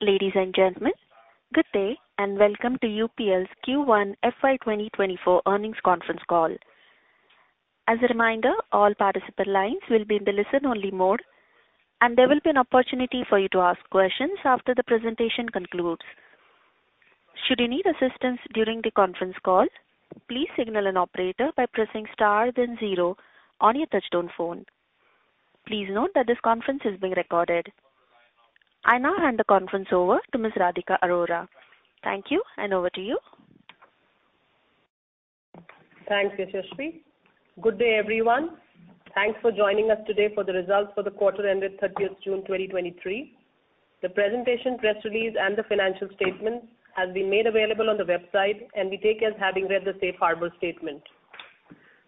Ladies and gentlemen, good day, and welcome to UPL's Q1 FY 2024 earnings conference call. As a reminder, all participant lines will be in the listen-only mode, and there will be an opportunity for you to ask questions after the presentation concludes. Should you need assistance during the conference call, please signal an operator by pressing star zero on your touchtone phone. Please note that this conference is being recorded. I now hand the conference over to Ms. Radhika Arora. Thank you, over to you. Thanks, Yashaswi. Good day, everyone. Thanks for joining us today for the results for the quarter ended 30th June 2023. The presentation, press release, and the financial statements has been made available on the website. We take as having read the safe harbor statement.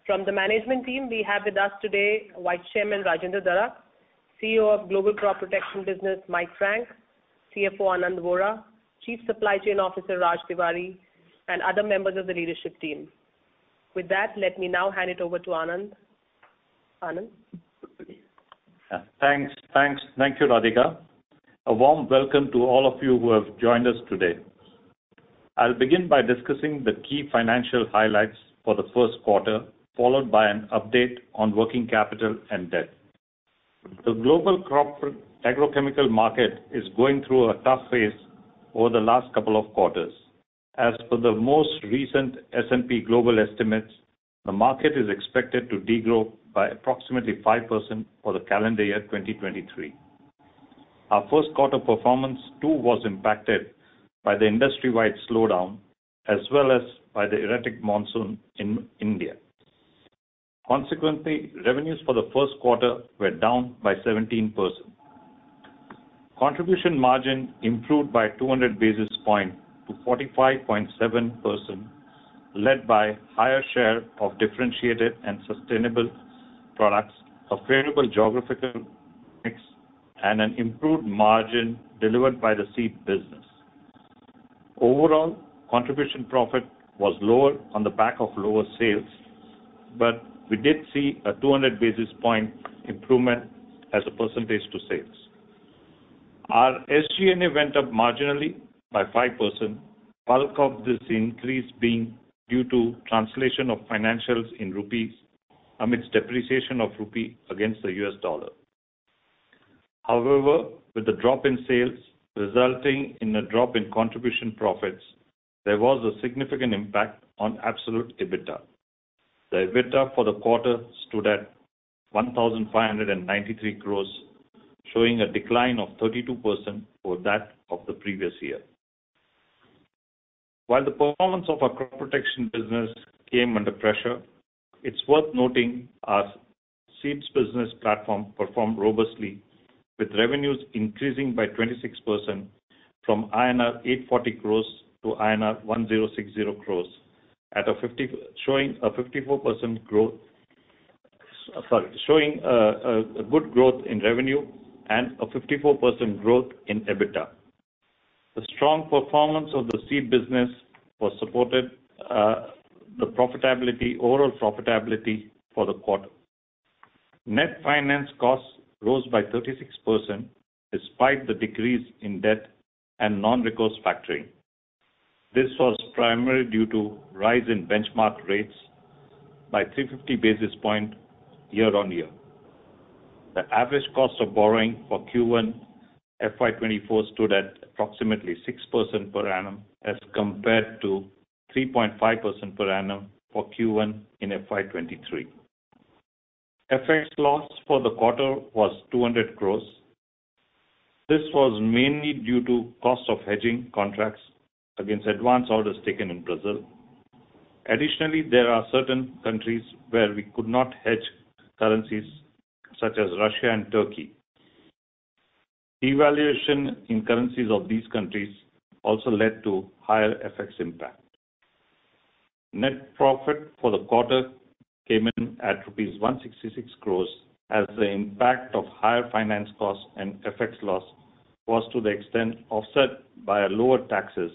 From the management team, we have with us today Vice Chairman, Rajendra Darak, CEO of Global Crop Protection Business, Mike Frank, CFO, Anand Vora, Chief Supply Chain Officer, Raj Tiwari, and other members of the leadership team. With that, let me now hand it over to Anand. Anand? Yeah. Thanks. Thanks. Thank you, Radhika. A warm welcome to all of you who have joined us today. I'll begin by discussing the key financial highlights for the first quarter, followed by an update on working capital and debt. The global crop agrochemical market is going through a tough phase over the last couple of quarters. As per the most recent S&P Global estimates, the market is expected to degrow by approximately 5% for the calendar year 2023. Our first quarter performance, too, was impacted by the industry-wide slowdown, as well as by the erratic monsoon in India. Consequently, revenues for the first quarter were down by 17%. Contribution margin improved by 200 basis points to 45.7%, led by higher share of differentiated and sustainable products, a favorable geographical mix, and an improved margin delivered by the seed business. Overall, contribution profit was lower on the back of lower sales, but we did see a 200 basis point improvement as a % to sales. Our SG&A went up marginally by 5%, bulk of this increase being due to translation of financials in INR amidst depreciation of INR against the U.S. dollar. However, with the drop in sales resulting in a drop in contribution profits, there was a significant impact on absolute EBITDA. The EBITDA for the quarter stood at 1,593 crore, showing a decline of 32% over that of the previous year. While the performance of our crop protection business came under pressure, it's worth noting our seeds business platform performed robustly, with revenues increasing by 26% from INR 840 crore to INR 1,060 crore at a 50-- showing a 54% growth... Sorry, showing a good growth in revenue and a 54% growth in EBITDA. The strong performance of the seed business was supported, the profitability, overall profitability for the quarter. Net finance costs rose by 36%, despite the decrease in debt and non-recourse factoring. This was primarily due to rise in benchmark rates by 350 basis points year-on-year. The average cost of borrowing for Q1 FY 2024 stood at approximately 6% per annum, as compared to 3.5% per annum for Q1 in FY 2023. FX loss for the quarter was 200 crore. This was mainly due to cost of hedging contracts against advance orders taken in Brazil. Additionally, there are certain countries where we could not hedge currencies, such as Russia and Turkey. Devaluation in currencies of these countries also led to higher FX impact. Net profit for the quarter came in at rupees 166 crore, as the impact of higher finance costs and FX loss was to the extent offset by lower taxes,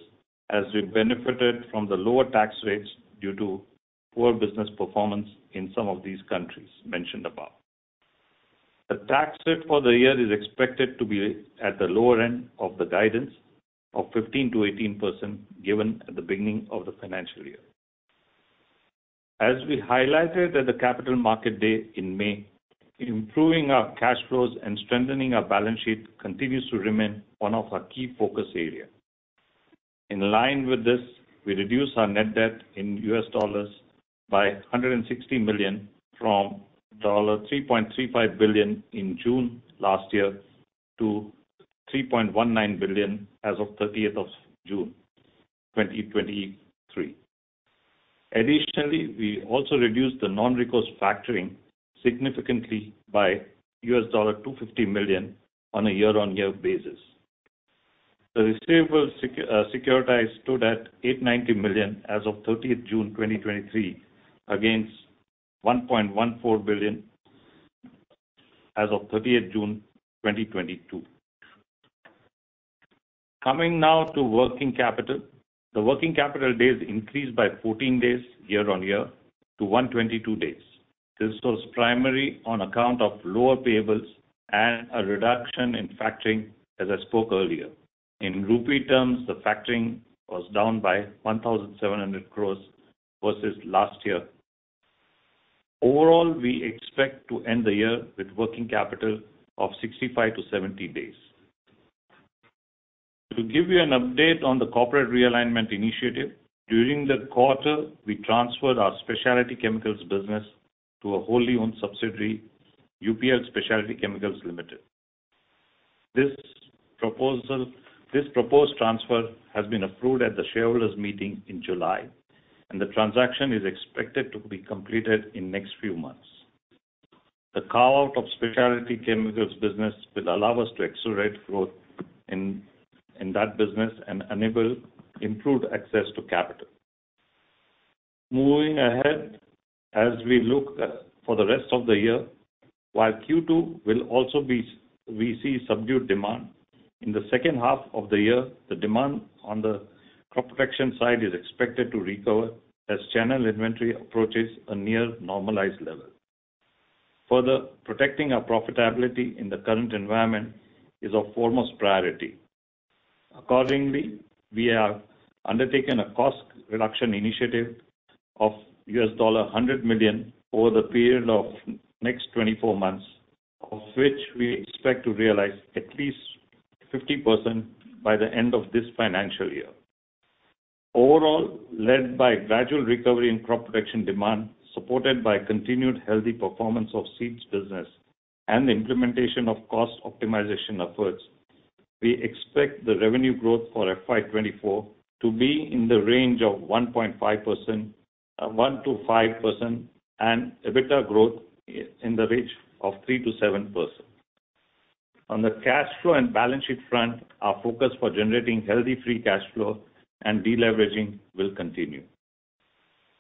as we benefited from the lower tax rates due to poor business performance in some of these countries mentioned above. The tax rate for the year is expected to be at the lower end of the guidance of 15%-18%, given at the beginning of the financial year. As we highlighted at the Capital Market Day in May, improving our cash flows and strengthening our balance sheet continues to remain one of our key focus area. In line with this, we reduced our net debt in U.S. dollars by $160 million, from $3.35 billion in June last year to $3.19 billion as of 30th of June 2023. Additionally, we also reduced the non-recourse factoring significantly by $250 million on a year-on-year basis. The receivable securitized stood at $890 million as of 30th June 2023, against $1.14 billion as of 30th June 2022. Coming now to working capital. The working capital days increased by 14 days year-on-year to 122 days. This was primary on account of lower payables and a reduction in factoring, as I spoke earlier. In rupee terms, the factoring was down by 1,700 crore versus last year. Overall, we expect to end the year with working capital of 65-70 days. To give you an update on the corporate realignment initiative, during the quarter, we transferred our specialty chemicals business to a wholly-owned subsidiary, UPL Speciality Chemicals Limited. This proposed transfer has been approved at the shareholders' meeting in July, and the transaction is expected to be completed in next few months. The carve-out of specialty chemicals business will allow us to accelerate growth in that business and enable improved access to capital. Moving ahead, as we look at for the rest of the year, while Q2 we see subdued demand, in the second half of the year, the demand on the crop protection side is expected to recover as channel inventory approaches a near-normalized level. Further, protecting our profitability in the current environment is of foremost priority. Accordingly, we have undertaken a cost reduction initiative of $100 million over the period of next 24 months, of which we expect to realize at least 50% by the end of this financial year. Overall, led by gradual recovery in crop protection demand, supported by continued healthy performance of seeds business and the implementation of cost optimization efforts, we expect the revenue growth for FY 2024 to be in the range of 1.5%, 1%-5%, and EBITDA growth in the range of 3%-7%. On the cash flow and balance sheet front, our focus for generating healthy free cash flow and de-leveraging will continue.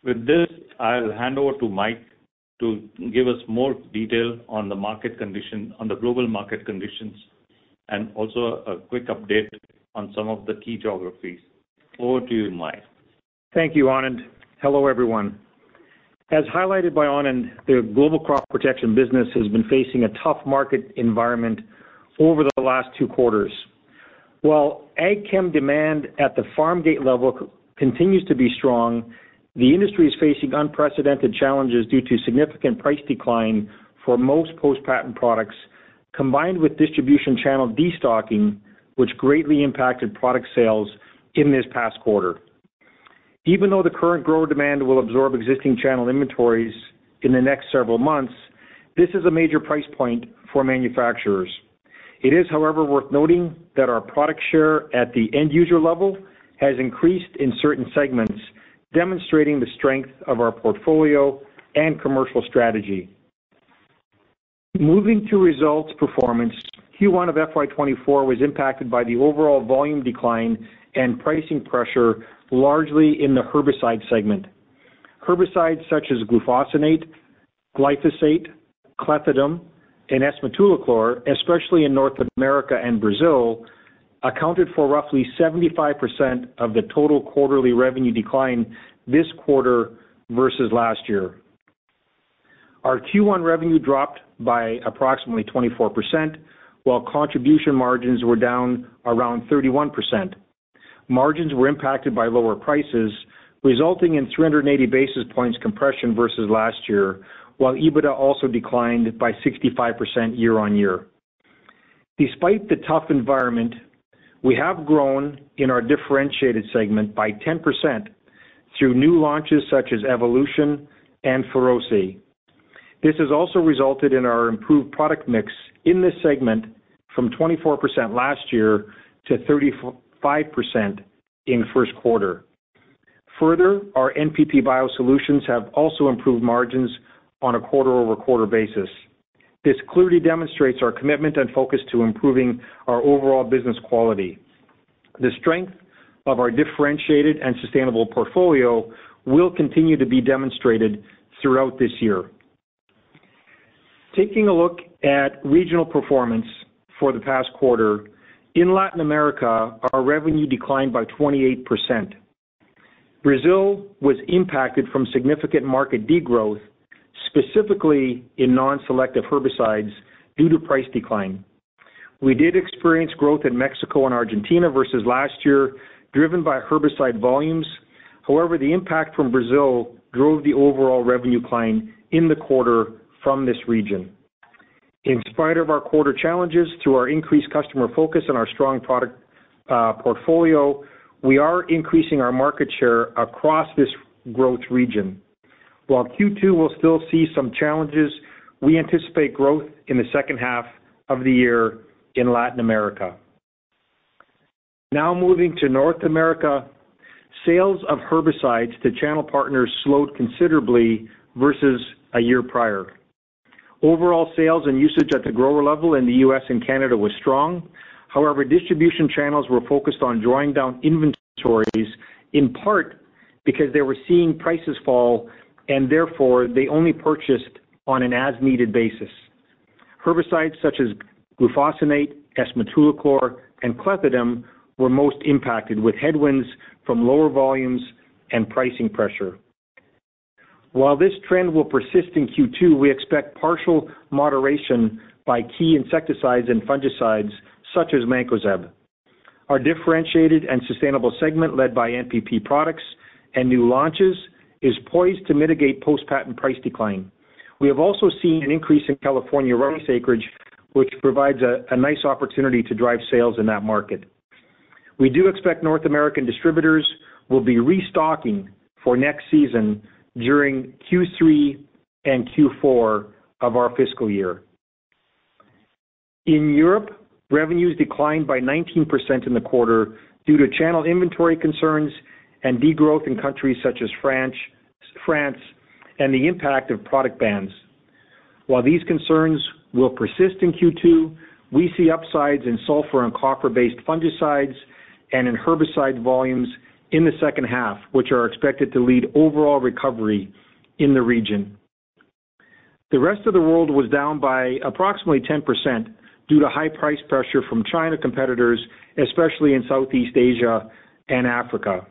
With this, I'll hand over to Mike to give us more detail on the market condition, on the global market conditions, and also a quick update on some of the key geographies. Over to you, Mike. Thank you, Anand. Hello, everyone. As highlighted by Anand, the global crop protection business has been facing a tough market environment over the last two quarters. While ag chem demand at the farm gate level continues to be strong, the industry is facing unprecedented challenges due to significant price decline for most post-patent products, combined with distribution channel destocking, which greatly impacted product sales in this past quarter. Even though the current grower demand will absorb existing channel inventories in the next several months, this is a major price point for manufacturers. It is, however, worth noting that our product share at the end user level has increased in certain segments, demonstrating the strength of our portfolio and commercial strategy. Moving to results performance, Q1 of FY 2024 was impacted by the overall volume decline and pricing pressure, largely in the herbicide segment. Herbicides such as glufosinate, glyphosate, clethodim, and S-metolachlor, especially in North America and Brazil, accounted for roughly 75% of the total quarterly revenue decline this quarter versus last year. Our Q1 revenue dropped by approximately 24%, while contribution margins were down around 31%. Margins were impacted by lower prices, resulting in 380 basis points compression versus last year, while EBITDA also declined by 65% year-on-year. Despite the tough environment, we have grown in our differentiated segment by 10% through new launches such as Evolution and Ferosio. This has also resulted in our improved product mix in this segment from 24% last year to 35% in first quarter. Our NPP Biosolutions have also improved margins on a quarter-over-quarter basis. This clearly demonstrates our commitment and focus to improving our overall business quality. The strength of our differentiated and sustainable portfolio will continue to be demonstrated throughout this year. Taking a look at regional performance for the past quarter, in Latin America, our revenue declined by 28%. Brazil was impacted from significant market degrowth, specifically in non-selective herbicides, due to price decline. We did experience growth in Mexico and Argentina versus last year, driven by herbicide volumes. The impact from Brazil drove the overall revenue decline in the quarter from this region. In spite of our quarter challenges, through our increased customer focus and our strong product portfolio, we are increasing our market share across this growth region. While Q2 will still see some challenges, we anticipate growth in the second half of the year in Latin America. Moving to North America, sales of herbicides to channel partners slowed considerably versus a year prior. Overall, sales and usage at the grower level in the U.S. and Canada was strong. However, distribution channels were focused on drawing down inventories, in part because they were seeing prices fall, and therefore, they only purchased on an as-needed basis. Herbicides such as glufosinate, S-metolachlor, and clethodim were most impacted, with headwinds from lower volumes and pricing pressure. While this trend will persist in Q2, we expect partial moderation by key insecticides and fungicides such as mancozeb. Our differentiated and sustainable segment, led by NPP products and new launches, is poised to mitigate post-patent price decline. We have also seen an increase in California rice acreage, which provides a nice opportunity to drive sales in that market. We do expect North American distributors will be restocking for next season during Q3 and Q4 of our fiscal year. In Europe, revenues declined by 19% in the quarter due to channel inventory concerns and degrowth in countries such as France, France, and the impact of product bans. While these concerns will persist in Q2, we see upsides in sulfur and copper-based fungicides and in herbicide volumes in the second half, which are expected to lead overall recovery in the region. The rest of the world was down by approximately 10% due to high price pressure from China competitors, especially in Southeast Asia and Africa.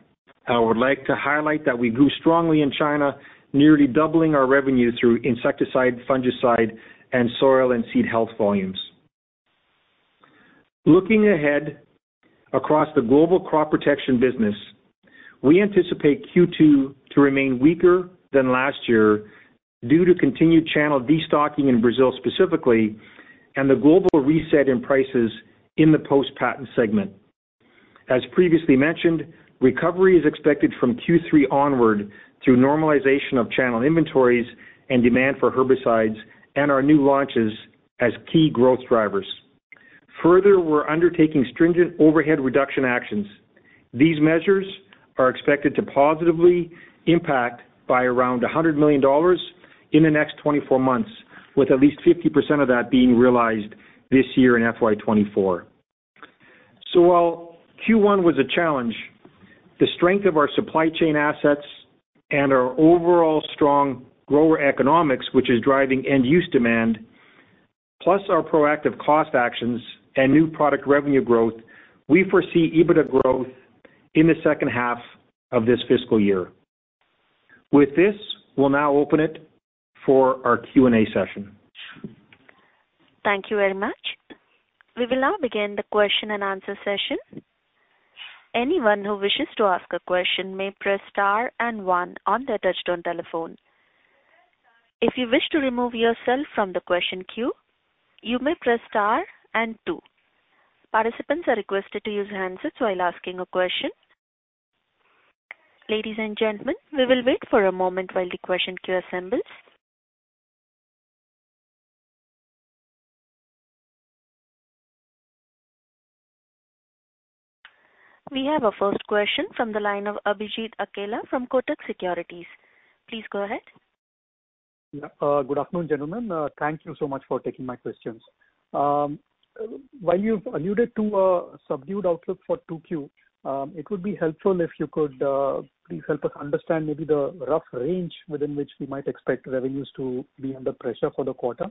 I would like to highlight that we grew strongly in China, nearly doubling our revenue through insecticide, fungicide, and soil and seed health volumes. Looking ahead across the global crop protection business, we anticipate Q2 to remain weaker than last year due to continued channel destocking in Brazil specifically, and the global reset in prices in the post-patent segment. As previously mentioned, recovery is expected from Q3 onward through normalization of channel inventories and demand for herbicides and our new launches as key growth drivers. We're undertaking stringent overhead reduction actions. These measures are expected to positively impact by around $100 million in the next 24 months, with at least 50% of that being realized this year in FY 2024. While Q1 was a challenge, the strength of our supply chain assets and our overall strong grower economics, which is driving end-use demand, plus our proactive cost actions and new product revenue growth, we foresee EBITDA growth in the second half of this fiscal year. With this, we'll now open it for our Q&A session. Thank you very much. We will now begin the question-and-answer session. Anyone who wishes to ask a question may press star one on their touchtone telephone. If you wish to remove yourself from the question queue, you may press star two. Participants are requested to use handsets while asking a question. Ladies and gentlemen, we will wait for a moment while the question queue assembles. We have our first question from the line of Abhijit Akella from Kotak Securities. Please go ahead. Yeah, good afternoon, gentlemen. Thank you so much for taking my questions. While you've alluded to a subdued outlook for 2Q, it would be helpful if you could please help us understand maybe the rough range within which we might expect revenues to be under pressure for the quarter.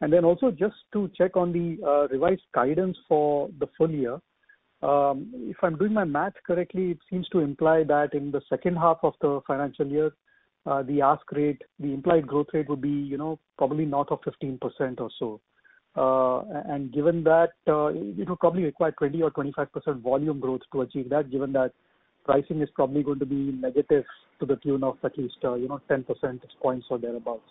Then also just to check on the revised guidance for the full year. If I'm doing my math correctly, it seems to imply that in the second half of the financial year, the ask rate, the implied growth rate would be, you know, probably north of 15% or so. Given that, it will probably require 20% or 25% volume growth to achieve that, given that pricing is probably going to be negative to the tune of at least, you know, 10 percent points or thereabouts.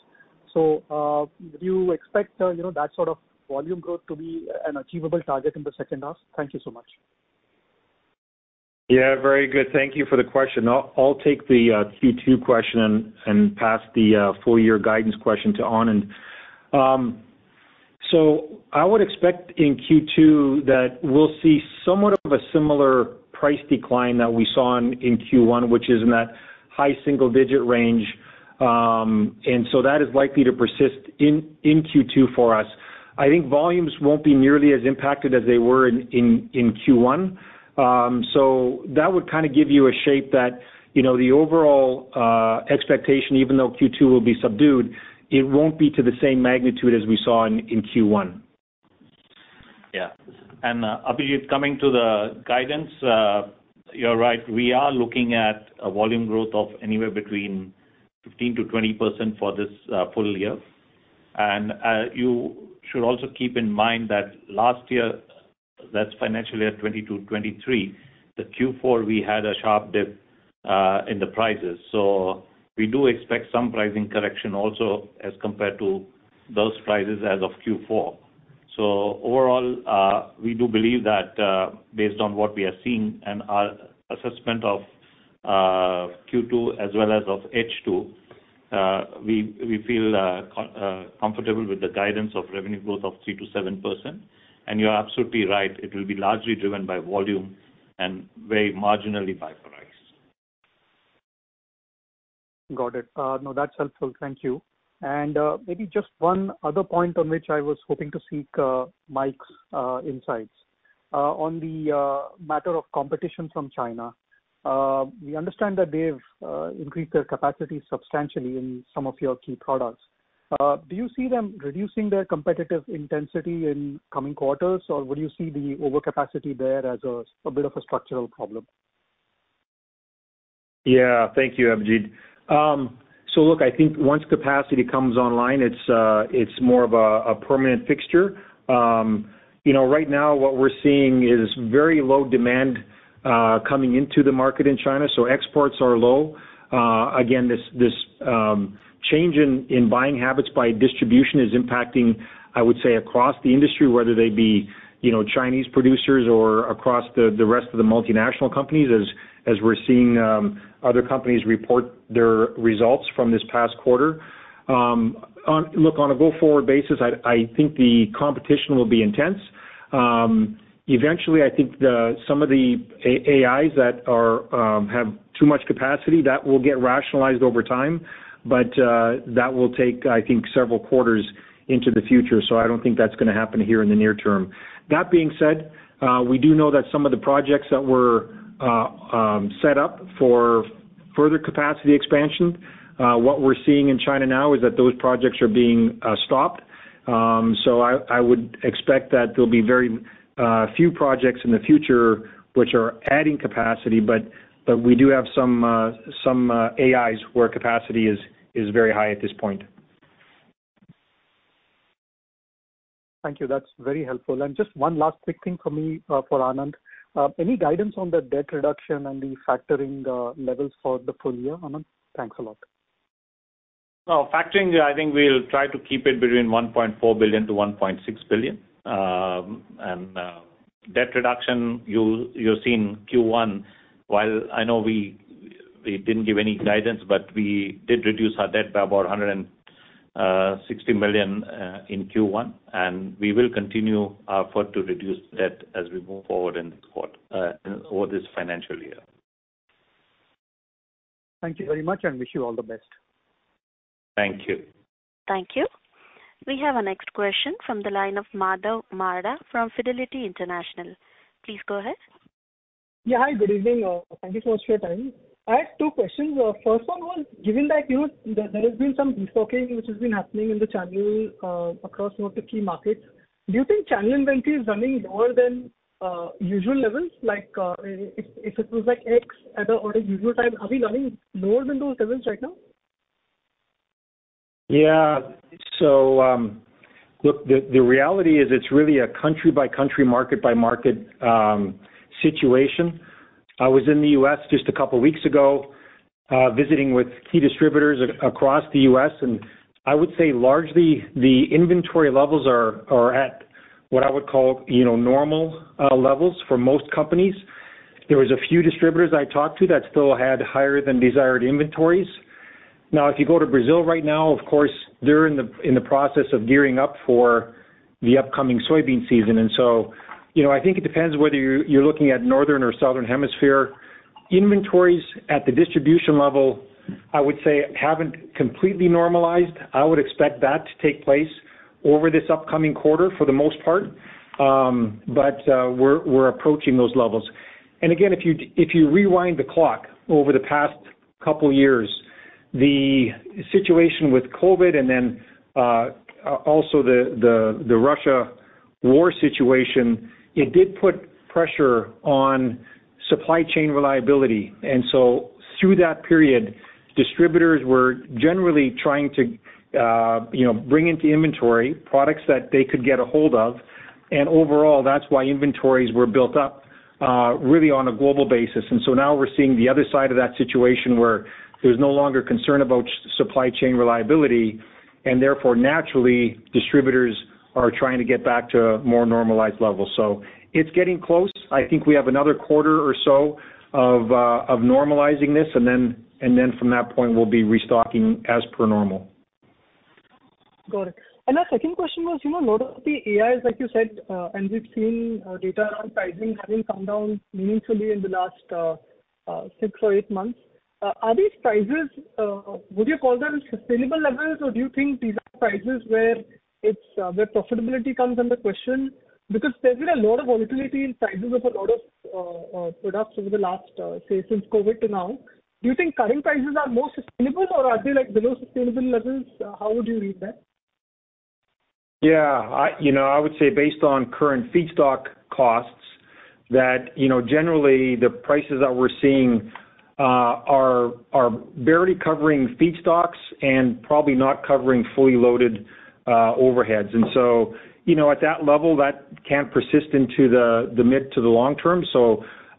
Do you expect, you know, that sort of volume growth to be an achievable target in the second half? Thank you so much. Yeah, very good. Thank you for the question. I'll, I'll take the Q2 question and pass the full year guidance question to Anand. I would expect in Q2 that we'll see somewhat of a similar price decline that we saw in, in Q1, which is in that high single-digit range. That is likely to persist in, in Q2 for us. I think volumes won't be nearly as impacted as they were in, in, in Q1. That would kind of give you a shape that, you know, the overall expectation, even though Q2 will be subdued, it won't be to the same magnitude as we saw in, in Q1. Yeah. Abhijit, coming to the guidance, you're right, we are looking at a volume growth of anywhere between 15%-20% for this full year. You should also keep in mind that last year, that's financial year 2022, 2023, the Q4, we had a sharp dip in the prices. We do expect some pricing correction also as compared to those prices as of Q4. Overall, we do believe that based on what we are seeing and our assessment of Q2 as well as of H2, we feel comfortable with the guidance of revenue growth of 3%-7%. You're absolutely right, it will be largely driven by volume and very marginally by price. Got it. No, that's helpful. Thank you. Maybe just one other point on which I was hoping to seek Mike's insights. On the matter of competition from China. We understand that they've increased their capacity substantially in some of your key products. Do you see them reducing their competitive intensity in coming quarters, or would you see the overcapacity there as a bit of a structural problem? Yeah. Thank you, Abhijit. Look, I think once capacity comes online, it's more of a, a permanent fixture. You know, right now, what we're seeing is very low demand coming into the market in China, so exports are low. This, this change in, in buying habits by distribution is impacting, I would say, across the industry, whether they be, you know, Chinese producers or across the, the rest of the multinational companies, as, as we're seeing other companies report their results from this past quarter. Look, on a go-forward basis, I, I think the competition will be intense. Eventually, I think the, some of the A-AIs that are have too much capacity, that will get rationalized over time, but that will take, I think, several quarters into the future. I don't think that's gonna happen here in the near term. That being said, we do know that some of the projects that were set up for further capacity expansion, what we're seeing in China now is that those projects are being stopped. I would expect that there'll be very few projects in the future which are adding capacity, but we do have some AIs where capacity is very high at this point. Thank you. That's very helpful. Just one last quick thing for me, for Anand. Any guidance on the debt reduction and the factoring levels for the full year, Anand? Thanks a lot. Well, factoring, I think we'll try to keep it between $1.4 billion-$1.6 billion. Debt reduction, you've seen Q1, while I know we, we didn't give any guidance, but we did reduce our debt by about $160 million in Q1. We will continue our effort to reduce debt as we move forward in this quarter over this financial year. Thank you very much, and wish you all the best. Thank you. Thank you. We have our next question from the line of Madhav Marda from Fidelity International. Please go ahead. Yeah, hi, good evening. Thank you so much for your time. I have 2 questions. First one was, given that, you know, there, there has been some destocking which has been happening in the channel, across most of the key markets, do you think channel inventory is running lower than usual levels? Like, if, if it was like X at a, on a usual time, are we running lower than those levels right now? Yeah. Look, the reality is, it's really a country-by-country, market-by-market situation. I was in the U.S. just 2 weeks ago, visiting with key distributors across the U.S., and I would say largely, the inventory levels are at what I would call, you know, normal levels for most companies. There was a few distributors I talked to that still had higher than desired inventories. Now, if you go to Brazil right now, of course, they're in the process of gearing up for the upcoming soybean season. You know, I think it depends whether you're looking at Northern or Southern Hemisphere. Inventories at the distribution level, I would say, haven't completely normalized. I would expect that to take place over this upcoming quarter, for the most part. We're approaching those levels. Again, if you if you rewind the clock over the past couple years, the situation with COVID and then, also the, the, the Russia war situation, it did put pressure on supply chain reliability. Through that period, distributors were generally trying to, you know, bring into inventory products that they could get a hold of. Overall, that's why inventories were built up really on a global basis. Now we're seeing the other side of that situation, where there's no longer concern about supply chain reliability, and therefore, naturally, distributors are trying to get back to a more normalized level. It's getting close. I think we have another quarter or so of normalizing this, and then, and then from that point, we'll be restocking as per normal. Got it. My second question was, you know, a lot of the AIs, like you said, and we've seen data on pricing having come down meaningfully in the last 6 or 8 months. Are these prices... would you call them sustainable levels, or do you think these are prices where it's where profitability comes under question? Because there's been a lot of volatility in prices of a lot of products over the last, say, since COVID to now. Do you think current prices are more sustainable or are they, like, below sustainable levels? How would you read that? Yeah. I, you know, I would say based on current feedstock costs, that, you know, generally, the prices that we're seeing, are, are barely covering feedstocks and probably not covering fully loaded, overheads. So, you know, at that level, that can't persist into the, the mid to the long term.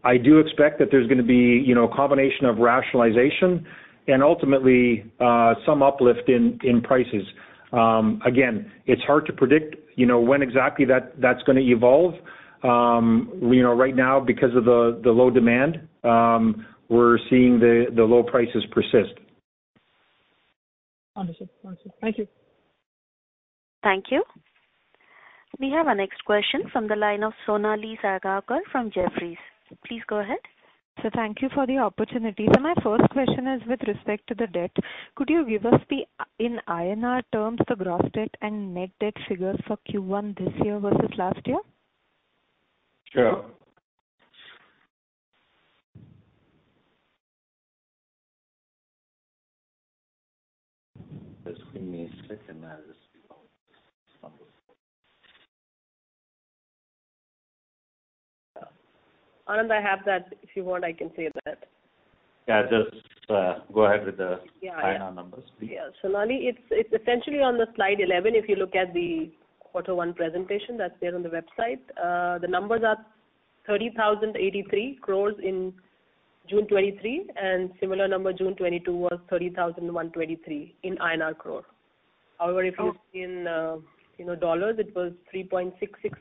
I do expect that there's gonna be, you know, a combination of rationalization and ultimately, some uplift in, in prices. Again, it's hard to predict, you know, when exactly that's gonna evolve. You know, right now, because of the, the low demand, we're seeing the, the low prices persist. Understood. Understood. Thank you. Thank you. We have our next question from the line of Sonali Salgaonkar from Jefferies. Please go ahead. Thank you for the opportunity. My first question is with respect to the debt. Could you give us the in INR terms, the gross debt and net debt figures for Q1 this year versus last year? Sure. Just give me a second and I'll just go. Anand, I have that. If you want, I can say that. Yeah, just, go ahead with. Yeah. INR numbers, please. Yeah. Sonali, it's, it's essentially on the slide 11, if you look at the quarter one presentation that's there on the website. The numbers are 30,083 crore in June 2023, and similar number June 2022 was 30,123 crore INR. However, if you in, you know, dollars, it was $3.66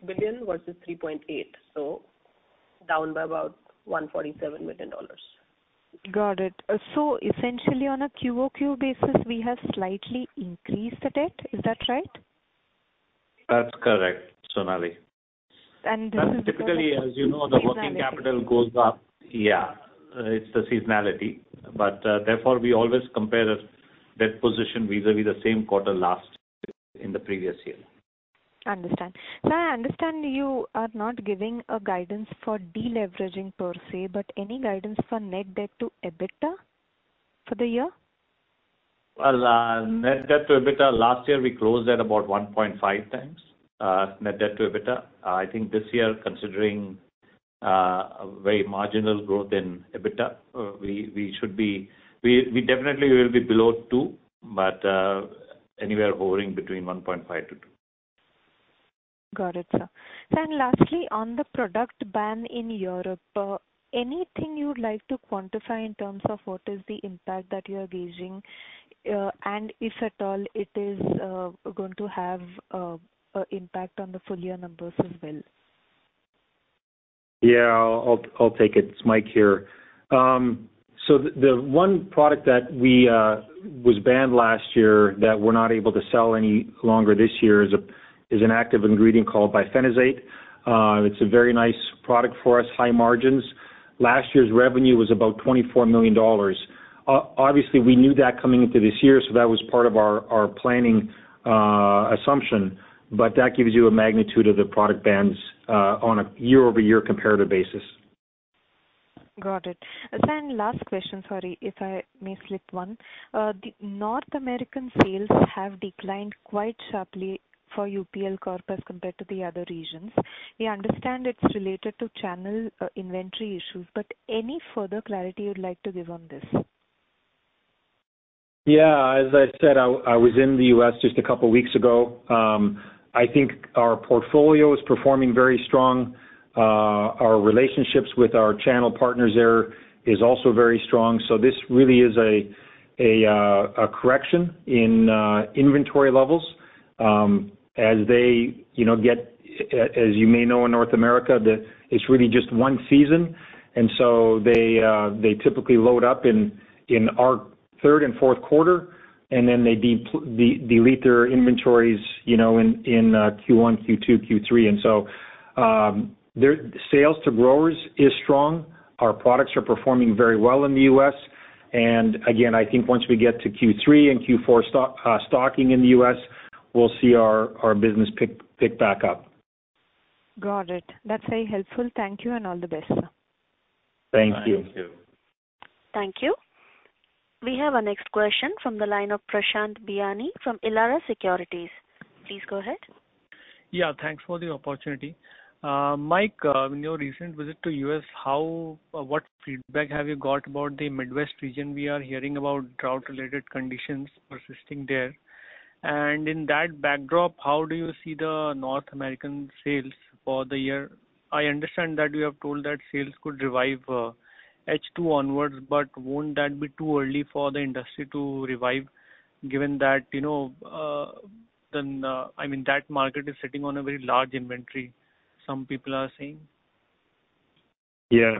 billion versus $3.8 billion, so down by about $147 million. Got it. essentially, on a QoQ basis, we have slightly increased the debt. Is that right? That's correct, Sonali. And this is- Typically, as you know, the working capital goes up. Yeah, it's the seasonality, but, therefore, we always compare a debt position vis-a-vis the same quarter last, in the previous year. Understand. Sir, I understand you are not giving a guidance for deleveraging per se, but any guidance for net debt to EBITDA for the year? Net debt to EBITDA, last year we closed at about 1.5x net debt to EBITDA. I think this year, considering a very marginal growth in EBITDA, we definitely will be below 2, but anywhere hovering between 1.5-2. Got it, sir. Sir, lastly, on the product ban in Europe, anything you'd like to quantify in terms of what is the impact that you are gauging? If at all, it is going to have a impact on the full year numbers as well. Yeah, I'll, I'll take it. It's Mike here. The one product that we was banned last year, that we're not able to sell any longer this year is an Active Ingredient called bifenthrin. It's a very nice product for us, high margins. Last year's revenue was about $24 million. Obviously, we knew that coming into this year, so that was part of our, our planning assumption, but that gives you a magnitude of the product bans on a year-over-year comparative basis. Got it. Sir, and last question, sorry, if I may slip one. The North American sales have declined quite sharply for UPL Corp as compared to the other regions. We understand it's related to channel inventory issues, but any further clarity you'd like to give on this? Yeah, as I said, I was in the U.S. just a couple weeks ago. I think our portfolio is performing very strong. Our relationships with our channel partners there is also very strong. This really is a, a, a correction in inventory levels. As they, you know, get... As you may know, in North America, it's really just one season, and so they typically load up in, in our third and fourth quarter, and then they delete their inventories, you know, in, in Q1, Q2, Q3. So their sales to growers is strong. Our products are performing very well in the U.S. Again, I think once we get to Q3 and Q4 stocking in the U.S., we'll see our, our business pick, pick back up. Got it. That's very helpful. Thank you. All the best, sir. Thank you. Thank you. Thank you. We have our next question from the line of Prashant Biyani from Elara Securities. Please go ahead. Yeah, thanks for the opportunity. Mike, in your recent visit to U.S., how or what feedback have you got about the Midwest region? We are hearing about drought-related conditions persisting there. In that backdrop, how do you see the North American sales for the year? I understand that you have told that sales could revive, H2 onwards, but won't that be too early for the industry to revive, given that, you know, then, I mean, that market is sitting on a very large inventory, some people are saying. Yeah.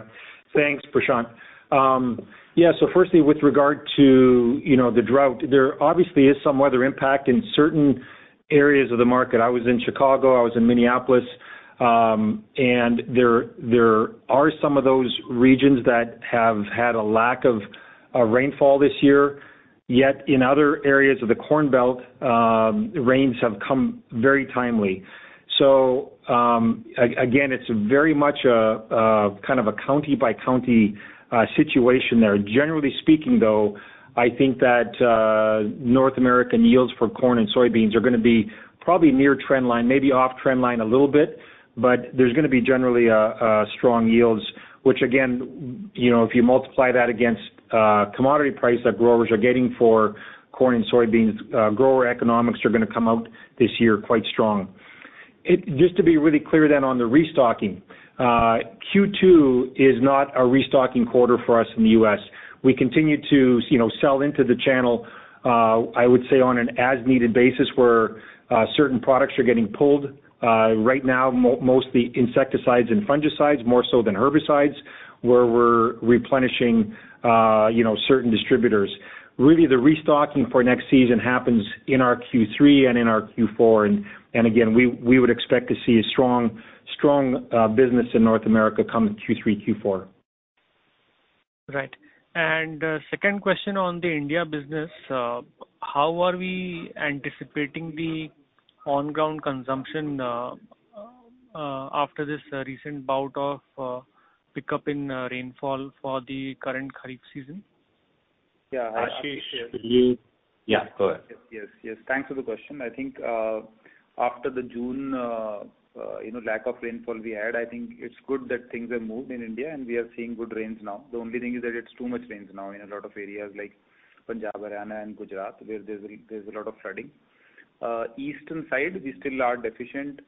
Thanks, Prashant. Yeah, firstly, with regard to, you know, the drought, there obviously is some weather impact in certain areas of the market. I was in Chicago, I was in Minneapolis, there, there are some of those regions that have had a lack of rainfall this year. Yet, in other areas of the Corn Belt, rains have come very timely. Again, it's very much a, a kind of a county-by-county situation there. Generally speaking, though, I think that North American yields for corn and soybeans are gonna be probably near trend line, maybe off trend line a little bit, but there's gonna be generally, strong yields. Which again, you know, if you multiply that against commodity price that growers are getting for corn and soybeans, grower economics are gonna come out this year quite strong. Just to be really clear, then, on the restocking, Q2 is not a restocking quarter for us in the U.S. We continue to, you know, sell into the channel, I would say on an as-needed basis, where certain products are getting pulled. Right now, mostly insecticides and fungicides, more so than herbicides, where we're replenishing, you know, certain distributors. Really, the restocking for next season happens in our Q3 and in our Q4. Again, we, we would expect to see a strong, strong business in North America come Q3, Q4. Right. Second question on the India business. How are we anticipating the on-ground consumption after this recent bout of pickup in rainfall for the current kharif season? Yeah, Ashish. Yeah, go ahead. Yes, yes. Thanks for the question. I think, after the June, you know, lack of rainfall we had, I think it's good that things have moved in India, and we are seeing good rains now. The only thing is that it's too much rains now in a lot of areas like Punjab, Haryana, and Gujarat, where there's a, there's a lot of flooding. Eastern side, we still are deficient.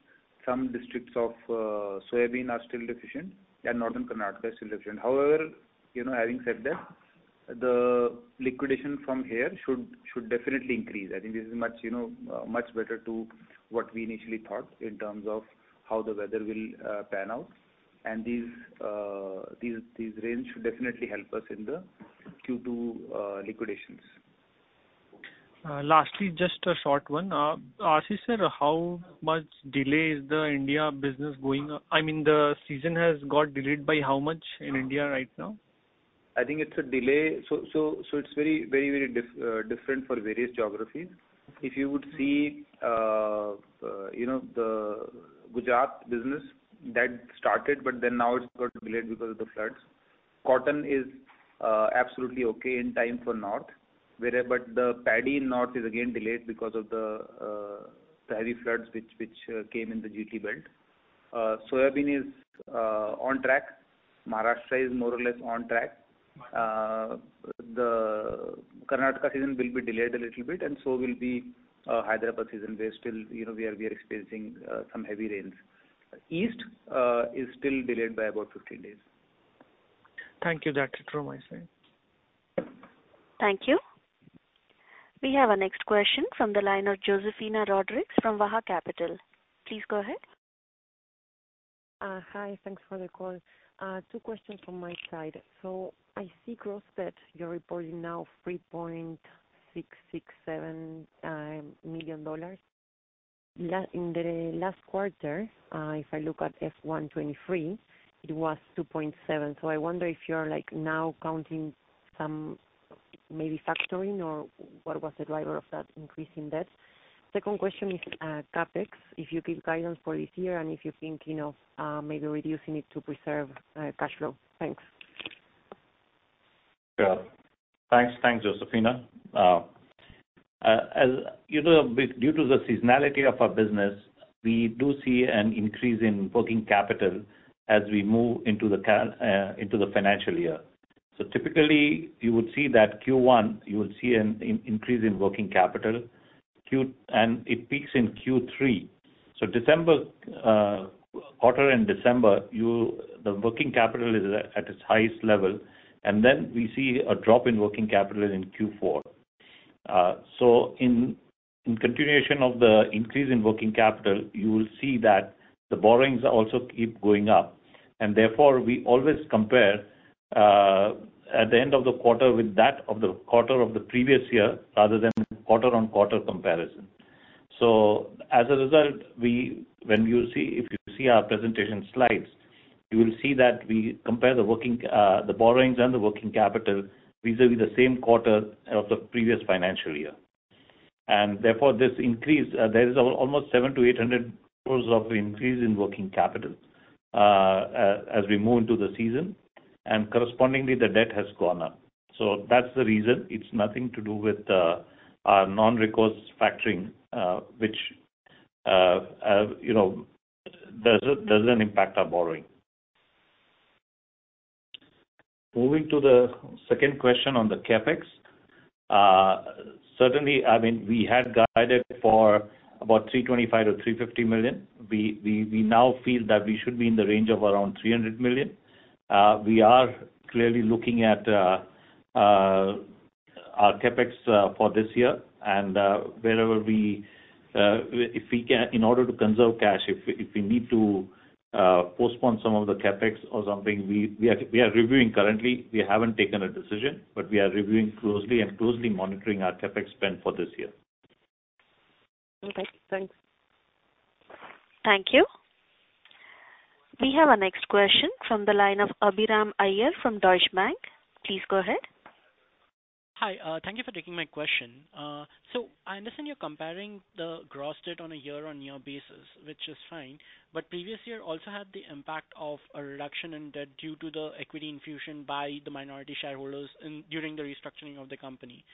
Some districts of soybean are still deficient, and Northern Karnataka is still deficient. However, you know, having said that, the liquidation from here should, should definitely increase. I think this is much, you know, much better to what we initially thought in terms of how the weather will pan out. These, these rains should definitely help us in the Q2 liquidations. Lastly, just a short one. Ashish, sir, how much delay is the India business going? I mean, the season has got delayed by how much in India right now? I think it's a delay. It's very, very, very different for various geographies. If you would see, you know, the Gujarat business that started, now it's got delayed because of the floods. Cotton is absolutely okay in time for north. The paddy in north is again delayed because of the heavy floods which came in the GT belt. Soybean is on track. Maharashtra is more or less on track. The Karnataka season will be delayed a little bit, and so will be Hyderabad season, where still, you know, we are experiencing some heavy rains. East is still delayed by about 15 days. Thank you. That's it from my side. Thank you. We have our next question from the line of Josefina Rodriguez from Waha Capital. Please go ahead. Hi, thanks for the call. Two questions from my side. I see gross debt, you're reporting now $3.667 million. In the last quarter, if I look at FY 2023, it was $2.7. I wonder if you're, like, now counting some maybe factoring or what was the driver of that increase in debt? Second question is, CapEx, if you give guidance for this year and if you're thinking of maybe reducing it to preserve cash flow. Thanks. Yeah. Thanks. Thanks, Josefina. As you know, with due to the seasonality of our business, we do see an increase in working capital as we move into the financial year. Typically, you would see that Q1, you will see an increase in working capital, and it peaks in Q3. December, quarter in December, you, the working capital is at its highest level, and then we see a drop in working capital in Q4. In continuation of the increase in working capital, you will see that the borrowings also keep going up, and therefore, we always compare, at the end of the quarter with that of the quarter of the previous year rather than quarter-on-quarter comparison. As a result, we, when you see, if you see our presentation slides, you will see that we compare the borrowings and the working capital vis-a-vis the same quarter of the previous financial year. Therefore, this increase, there is almost 700-800 crore of increase in working capital as we move into the season, and correspondingly, the debt has gone up. That's the reason. It's nothing to do with our non-recourse factoring, which, you know, doesn't impact our borrowing. Moving to the second question on the CapEx. Certainly, I mean, we had guided for about $325 million-$350 million. We, we, we now feel that we should be in the range of around $300 million. S transcript of a conversation Hi, thank you for taking my question. I understand you're comparing the gross debt on a year-on-year basis, which is fine, but previous year also had the impact of a reduction in debt due to the equity infusion by the minority shareholders in, during the restructuring of the company.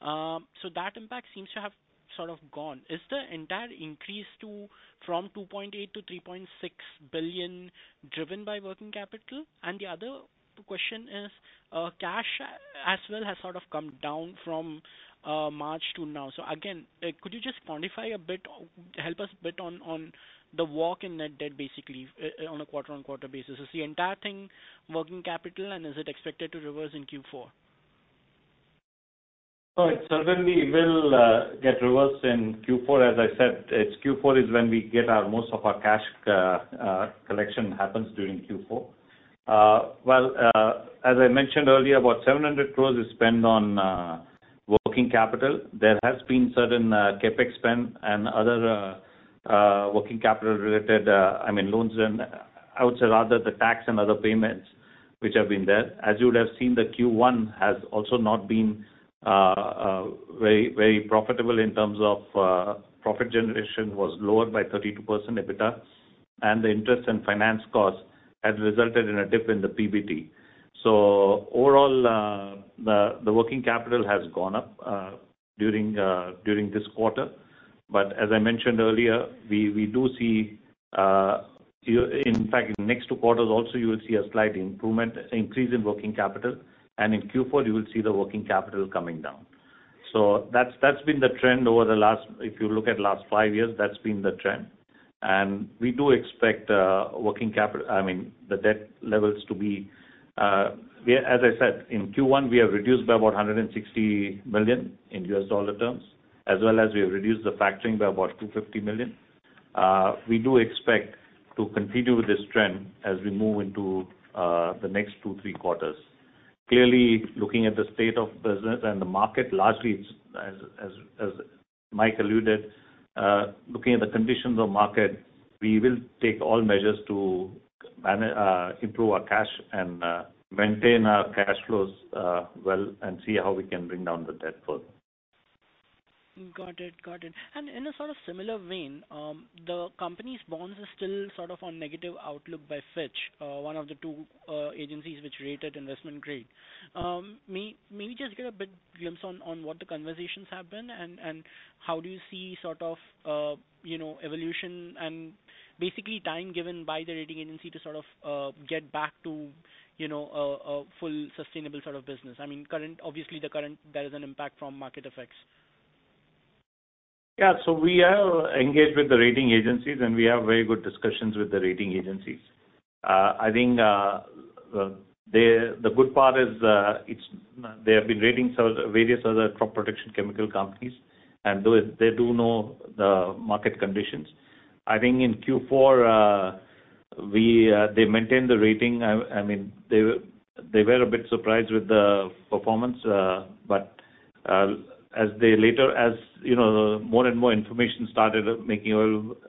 That impact seems to have sort of gone. Is the entire increase to, from $2.8 billion-$3.6 billion, driven by working capital? The other question is, cash as well has sort of come down from March to now. Again, could you just quantify a bit, help us a bit on, on the walk in net debt, basically, on a quarter-on-quarter basis? Is the entire thing working capital, and is it expected to reverse in Q4? All right. Certainly, we will get reversed in Q4. As I said, it's Q4 is when we get our most of our cash collection happens during Q4. Well, as I mentioned earlier, about 700 crore is spent on working capital. There has been certain CapEx spend and other working capital related, I mean, loans and I would say rather the tax and other payments, which have been there. As you would have seen, the Q1 has also not been very, very profitable in terms of profit generation was lower by 32% EBITDA. The interest and finance costs has resulted in a dip in the PBT. Overall, the working capital has gone up during this quarter. As I mentioned earlier, we, we do see, in fact, in the next 2 quarters also, you will see a slight improvement, increase in working capital, and in Q4, you will see the working capital coming down. That's, that's been the trend over the last-- if you look at last 5 years, that's been the trend. We do expect, working capital, I mean, the debt levels to be, we, as I said, in Q1, we have reduced by about $160 million in US dollar terms, as well as we have reduced the factoring by about $250 million. We do expect to continue with this trend as we move into the next 2, 3 quarters. Clearly, looking at the state of business and the market, largely, it's as, as, as Mike alluded, looking at the conditions of market, we will take all measures to improve our cash and maintain our cash flows well, and see how we can bring down the debt further. Got it. Got it. In a sort of similar vein, the company's bonds are still sort of on negative outlook by Fitch, one of the two agencies which rated investment grade. Maybe just give a big glimpse on what the conversations have been and how do you see sort of, you know, Evolution and basically time given by the rating agency to sort of get back to, you know, a full sustainable sort of business. I mean, current, obviously, the current, there is an impact from market effects. Yeah, we are engaged with the rating agencies, and we have very good discussions with the rating agencies. I think the good part is they have been rating several, various other crop protection chemical companies, and though they do know the market conditions. I think in Q4, we, they maintained the rating. I mean, they were, they were a bit surprised with the performance, but, as they later, as you know, more and more information started making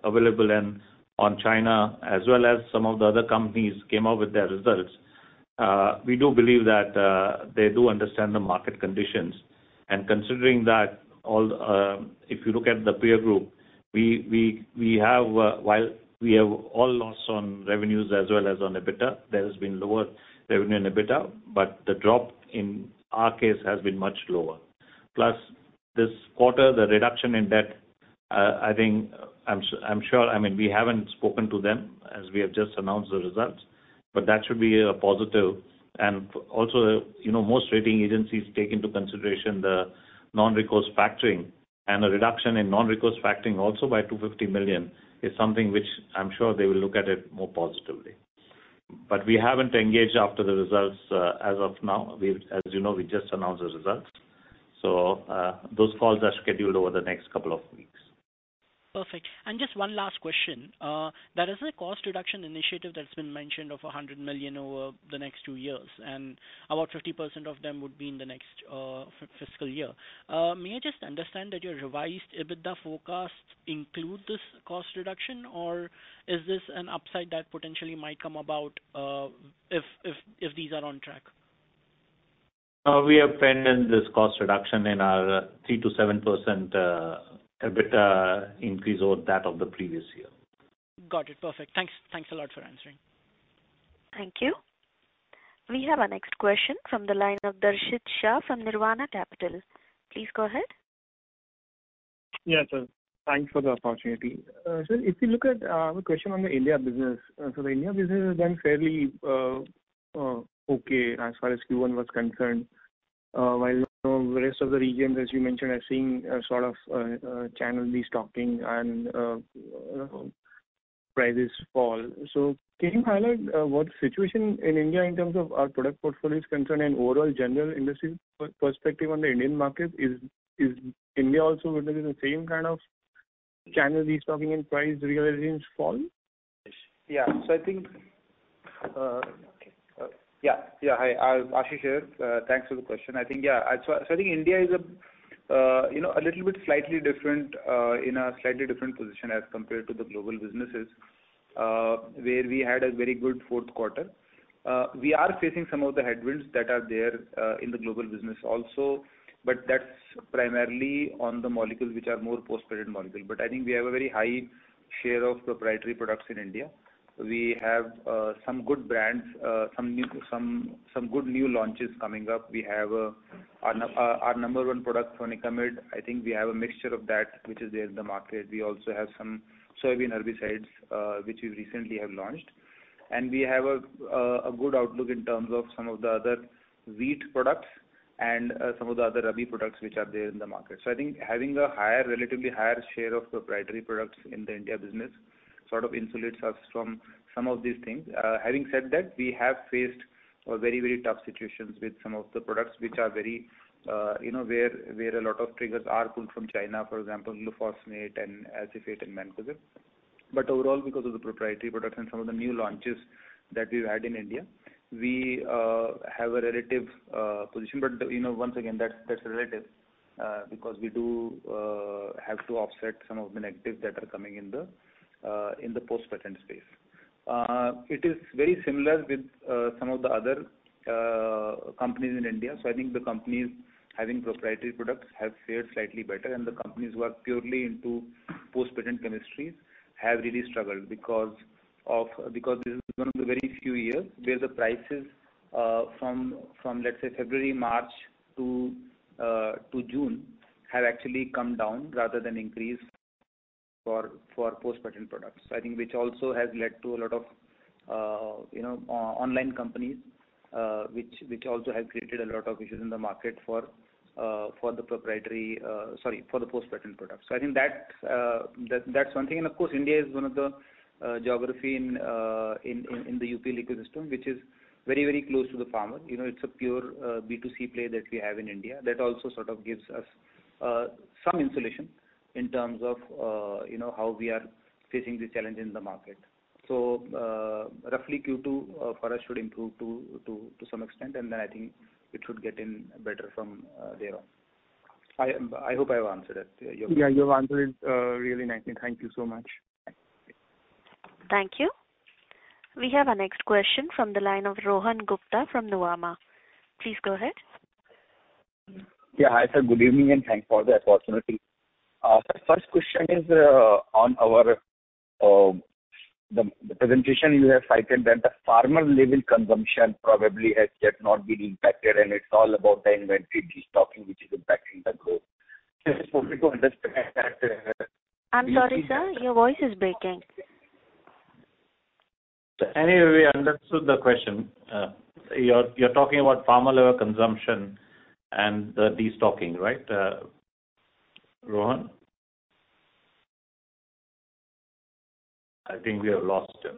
available and on China, as well as some of the other companies came out with their results, we do believe that they do understand the market conditions. Considering that, all, if you look at the peer group, we, we, we have, while we have all lost on revenues as well as on EBITDA, there has been lower revenue in EBITDA, but the drop in our case has been much lower. This quarter, the reduction in debt, I think, I'm, I'm sure, I mean, we haven't spoken to them as we have just announced the results, but that should be a positive. Also, you know, most rating agencies take into consideration the non-recourse factoring and the reduction in non-recourse factoring also by $250 million, is something which I'm sure they will look at it more positively. We haven't engaged after the results, as of now. We've, as you know, we just announced the results, those calls are scheduled over the next couple of weeks. Perfect. Just one last question. There is a cost reduction initiative that's been mentioned of $100 million over the next two years, and about 50% of them would be in the next fiscal year. May I just understand that your revised EBITDA forecasts include this cost reduction, or is this an upside that potentially might come about if, if, if these are on track? We have penned in this cost reduction in our 3%-7% EBITDA increase over that of the previous year. Got it. Perfect. Thanks, thanks a lot for answering. Thank you. We have our next question from the line of Darshit Shah from Nirvana Capital. Please go ahead. Yes, sir. Thanks for the opportunity. Sir, if you look at the question on the India business. The India business has been fairly okay as far as Q1 was concerned, while the rest of the regions, as you mentioned, are seeing a sort of channel restocking and prices fall. Can you highlight what the situation in India in terms of our product portfolio is concerned and overall general industry perspective on the Indian market? Is India also witnessing the same kind of channel restocking and price realization fall? I think, hi, Ashish here. Thanks for the question. I think, so I think India is a, you know, a little bit slightly different in a slightly different position as compared to the global businesses, where we had a very good fourth quarter. We are facing some of the headwinds that are there in the global business also, that's primarily on the molecules, which are more post-credit molecule. I think we have a very high share of proprietary products in India. We have some good brands, some new, some good new launches coming up. We have our number 1 product, flonicamid, I think we have a mixture of that, which is there in the market. We also have some soybean herbicides, which we recently have launched. We have a good outlook in terms of some of the other wheat products and some of the other rabi products which are there in the market. I think having a higher, relatively higher share of proprietary products in the India business, sort of insulates us from some of these things. Having said that, we have faced a very, very tough situations with some of the products which are very, you know, where, where a lot of triggers are pulled from China, for example, glufosinate and acephate and mancozeb. Overall, because of the proprietary products and some of the new launches that we've had in India, we. Have a relative position. You know, once again, that's, that's relative because we do have to offset some of the negatives that are coming in the in the post-patent space. It is very similar with some of the other companies in India. I think the companies having proprietary products have fared slightly better, and the companies who are purely into post-patent chemistries have really struggled because this is one of the very few years where the prices from, from, let's say, February, March to June, have actually come down rather than increase for, for post-patent products. I think, which also has led to a lot of, you know, online companies, which, which also have created a lot of issues in the market for, for the proprietary, sorry, for the post-patent products. I think that, that's one thing. Of course, India is one of the geography in the UPL ecosystem, which is very, very close to the farmer. You know, it's a pure B2C play that we have in India. That also sort of gives us some insulation in terms of, you know, how we are facing the challenge in the market. Roughly Q2 for us should improve to some extent, and then I think it should get in better from there on. I hope I have answered it. Yeah, you have answered it, really nicely. Thank you so much. Thank you. We have our next question from the line of Rohan Gupta from Nuvama. Please go ahead. Yeah. Hi, sir, good evening, and thanks for the opportunity. My first question is on our the presentation you have cited, that the farmer level consumption probably has yet not been impacted, and it's all about the inventory destocking, which is impacting the growth. Just for me to understand that. I'm sorry, sir, your voice is breaking. Anyway, we understood the question. You're, you're talking about farmer-level consumption and the destocking, right, Rohan? I think we have lost him.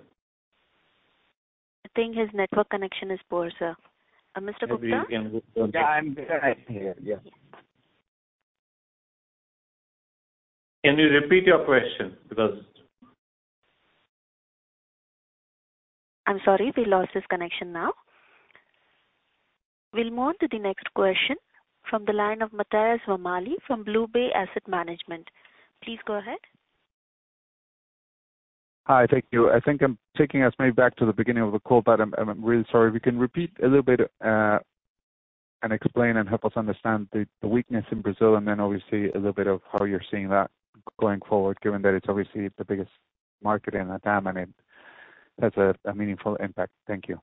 I think his network connection is poor, sir. Mr. Gupta? Yeah, I'm better right here. Yeah. Can you repeat your question because- I'm sorry, we lost his connection now. We'll move to the next question from the line of Matias Romali from BlueBay Asset Management. Please go ahead. Hi. Thank you. I think I'm taking us maybe back to the beginning of the call, but I'm, I'm really sorry. If you can repeat a little bit and explain and help us understand the, the weakness in Brazil, and then obviously a little bit of how you're seeing that going forward, given that it's obviously the biggest market in LATAM, and it has a, a meaningful impact. Thank you.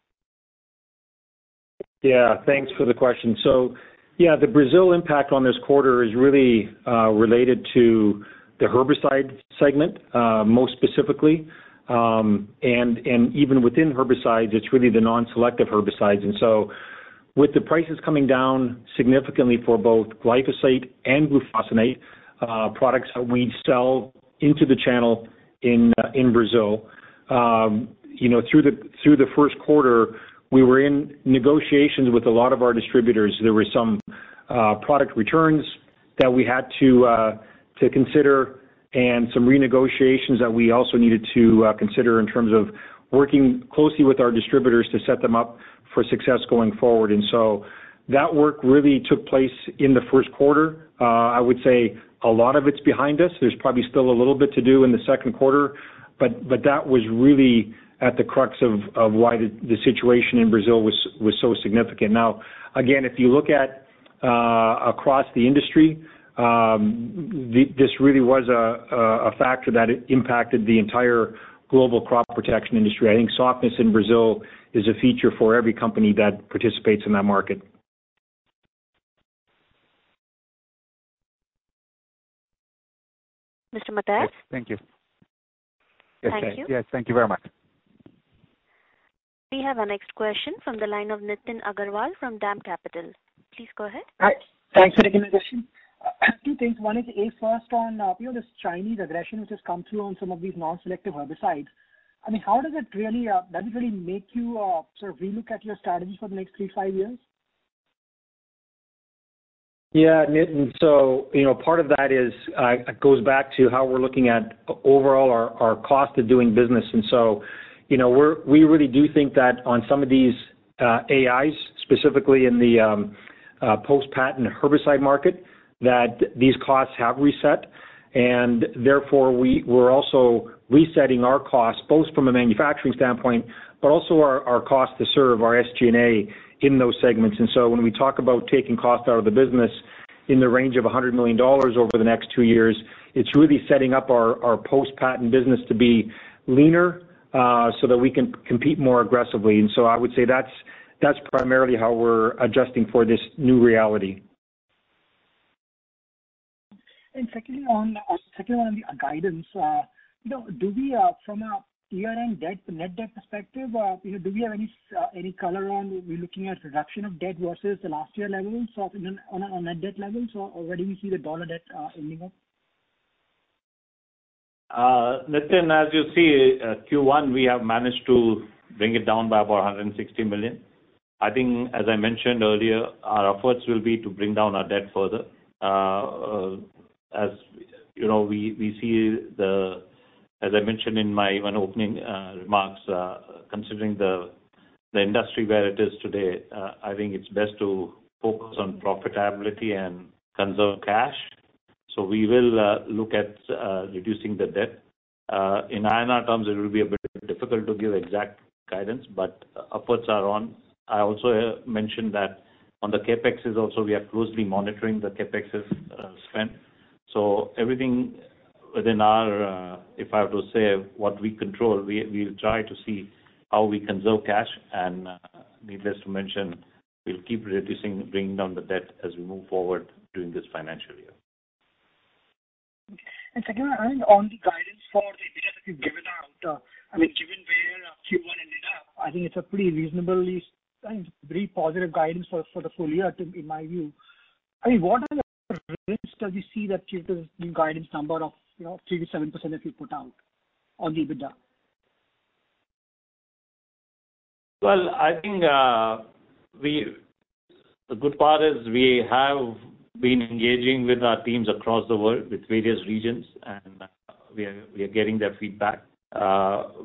Yeah, thanks for the question. So, yeah, the Brazil impact on this quarter is really related to the herbicide segment, most specifically. And even within herbicides, it's really the non-selective herbicides. With the prices coming down significantly for both glyphosate and glufosinate, products that we sell into the channel in Brazil. You know, through the first quarter, we were in negotiations with a lot of our distributors. There were some product returns that we had to consider and some renegotiations that we also needed to consider in terms of working closely with our distributors to set them up for success going forward. That work really took place in the first quarter. I would say a lot of it's behind us. There's probably still a little bit to do in the second quarter, but that was really at the crux of why the situation in Brazil was so significant. Again, if you look at across the industry, this really was a factor that impacted the entire global crop protection industry. I think softness in Brazil is a feature for every company that participates in that market. Mr. Matias? Thank you. Thank you. Yes, thank you very much. We have our next question from the line of Nitin Agarwal from DAM Capital. Please go ahead. Hi. Thanks for taking the question. Two things. One is, A, first on, you know, this Chinese aggression, which has come through on some of these non-selective herbicides. I mean, how does it really, does it really make you, sort of relook at your strategy for the next three, five years? Yeah, Nitin. You know, part of that is, it goes back to how we're looking at overall our, our cost of doing business. You know, we really do think that on some of these AIs, specifically in the post-patent herbicide market, that these costs have reset, and therefore, we're also resetting our costs, both from a manufacturing standpoint, but also our, our cost to serve our SG&A in those segments. When we talk about taking cost out of the business in the range of $100 million over the next two years, it's really setting up our, our post-patent business to be leaner, so that we can compete more aggressively. I would say that's, that's primarily how we're adjusting for this new reality. Secondly, on secondly, on the guidance, you know, do we, from a term debt, net debt perspective, you know, do we have any color on we're looking at reduction of debt versus the last year level, so on a, on a net debt level? Already we see the dollar debt, ending up. Nitin, as you see, Q1, we have managed to bring it down by about $160 million. I think, as I mentioned earlier, our efforts will be to bring down our debt further. As you know, we see the- As I mentioned in my, when opening remarks, considering the industry where it is today, I think it's best to focus on profitability and conserve cash. We will look at reducing the debt. In INR terms, it will be a bit difficult to give exact guidance, but upwards are on. I also mentioned that on the CapExes also, we are closely monitoring the CapExes spend. Everything within our, if I have to say, what we control, we, we'll try to see how we conserve cash. Needless to mention, we'll keep reducing, bringing down the debt as we move forward during this financial year. Second, I, on the guidance for the year that you've given out, I mean, given where Q1 ended up, I think it's a pretty reasonably, I think, very positive guidance for, for the full year, in, in my view. I mean, what are the risks that you see that change the guidance number of, you know, 3%-7% that you put out on the EBITDA? Well, I think, the good part is we have been engaging with our teams across the world, with various regions, and we are, we are getting their feedback.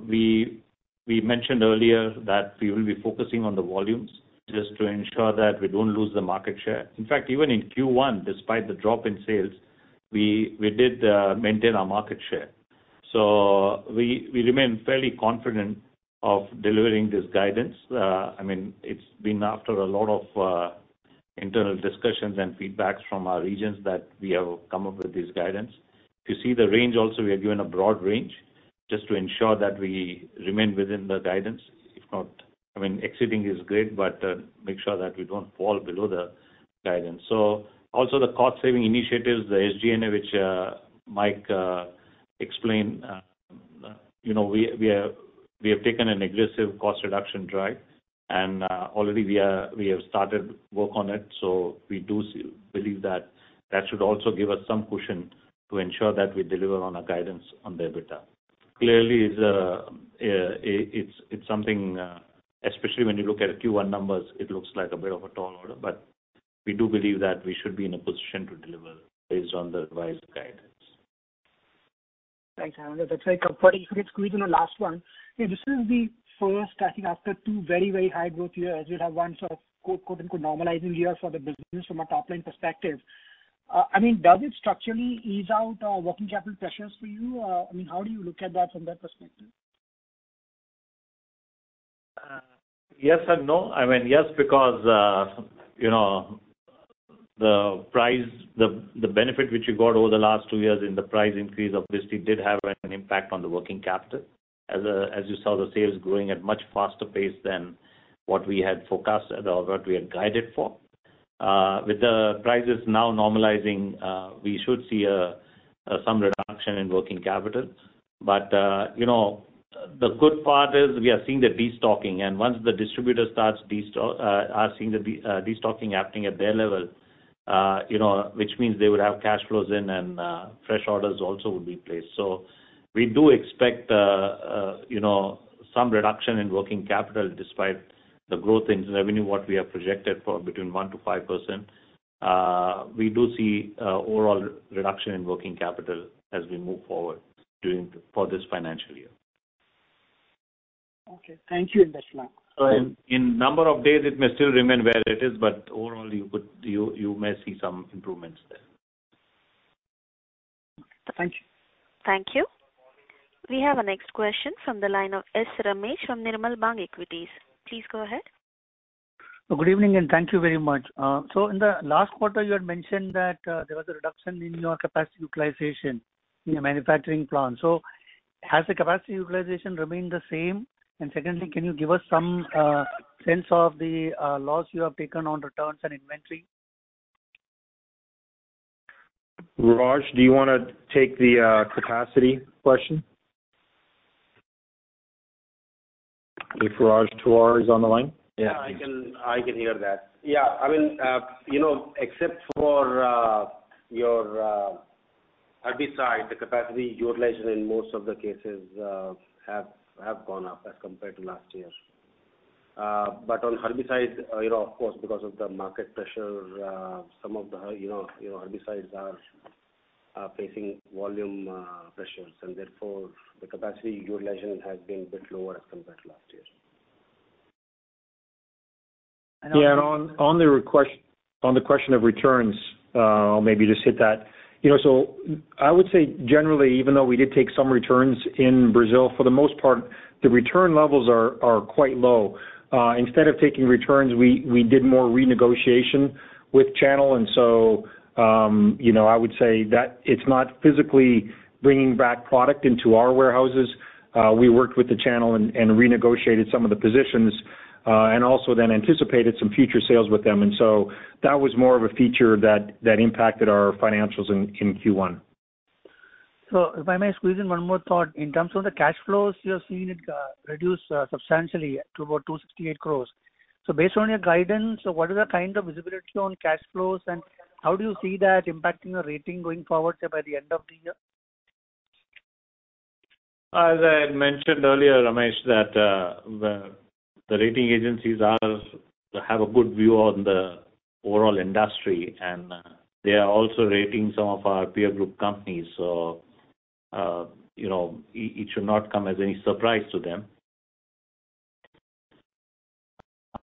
We, we mentioned earlier that we will be focusing on the volumes just to ensure that we don't lose the market share. In fact, even in Q1, despite the drop in sales, we, we did, maintain our market share. We, we remain fairly confident of delivering this guidance. I mean, it's been after a lot of, internal discussions and feedbacks from our regions that we have come up with this guidance. If you see the range also, we have given a broad range just to ensure that we remain within the guidance. If not... I mean, exceeding is great, but, make sure that we don't fall below the guidance. Also the cost saving initiatives, the SG&A, which Mike explained, you know, we, we have, we have taken an aggressive cost reduction drive, and already we have started work on it. We do believe that that should also give us some cushion to ensure that we deliver on our guidance on the EBITDA. Clearly, it's, it's, it's something, especially when you look at Q1 numbers, it looks like a bit of a tall order, but we do believe that we should be in a position to deliver based on the revised guidance. Thanks, Hemanth. That's very comforting. If I could squeeze in a last one. This is the first, I think, after two very, very high growth years, you'd have one sort of quote, quote, unquote, "normalizing year" for the business from a top-line perspective. I mean, does it structurally ease out, working capital pressures for you? I mean, how do you look at that from that perspective? Yes and no. I mean, yes, because, you know, the price, the, the benefit which you got over the last two years in the price increase obviously did have an impact on the working capital. As, as you saw, the sales growing at much faster pace than what we had forecasted or what we had guided for. With the prices now normalizing, we should see some reduction in working capital. You know, the good part is we are seeing the destocking, and once the distributor starts destock, are seeing the destocking happening at their level, you know, which means they would have cash flows in and fresh orders also would be placed. We do expect, you know, some reduction in working capital despite the growth in revenue, what we have projected for between 1% to 5%. We do see overall reduction in working capital as we move forward during, for this financial year. Okay. Thank you, Anand. In, in number of days, it may still remain where it is, but overall, you could, you, you may see some improvements there. Thank you. Thank you. We have our next question from the line of S. Ramesh from Nirmal Bang Equities. Please go ahead. Good evening, and thank you very much. In the last quarter, you had mentioned that, there was a reduction in your capacity utilization in your manufacturing plant. Has the capacity utilization remained the same? Secondly, can you give us some sense of the loss you have taken on returns and inventory? Viraj, do you want to take the capacity question? If Viraj Tiwari is on the line? Yeah. Yeah, I can, I can hear that. Yeah. I mean, you know, except for, your, herbicide, the capacity utilization in most of the cases, have, have gone up as compared to last year. On herbicides, you know, of course, because of the market pressure, some of the, you know, you know, herbicides are, are facing volume, pressures, and therefore the capacity utilization has been a bit lower as compared to last year. Yeah, on, on the question of returns, I'll maybe just hit that. You know, I would say generally, even though we did take some returns in Brazil, for the most part, the return levels are quite low. Instead of taking returns, we did more renegotiation with channel, you know, I would say that it's not physically bringing back product into our warehouses. We worked with the channel and renegotiated some of the positions, and also then anticipated some future sales with them. That was more of a feature that impacted our financials in Q1. If I may squeeze in one more thought: In terms of the cash flows, you have seen it reduce substantially to about 268 crore. Based on your guidance, what is the kind of visibility on cash flows, and how do you see that impacting your rating going forward, say, by the end of the year? As I had mentioned earlier, Ramesh, that the rating agencies are, have a good view on the overall industry, and they are also rating some of our peer group companies. You know, it, it should not come as any surprise to them.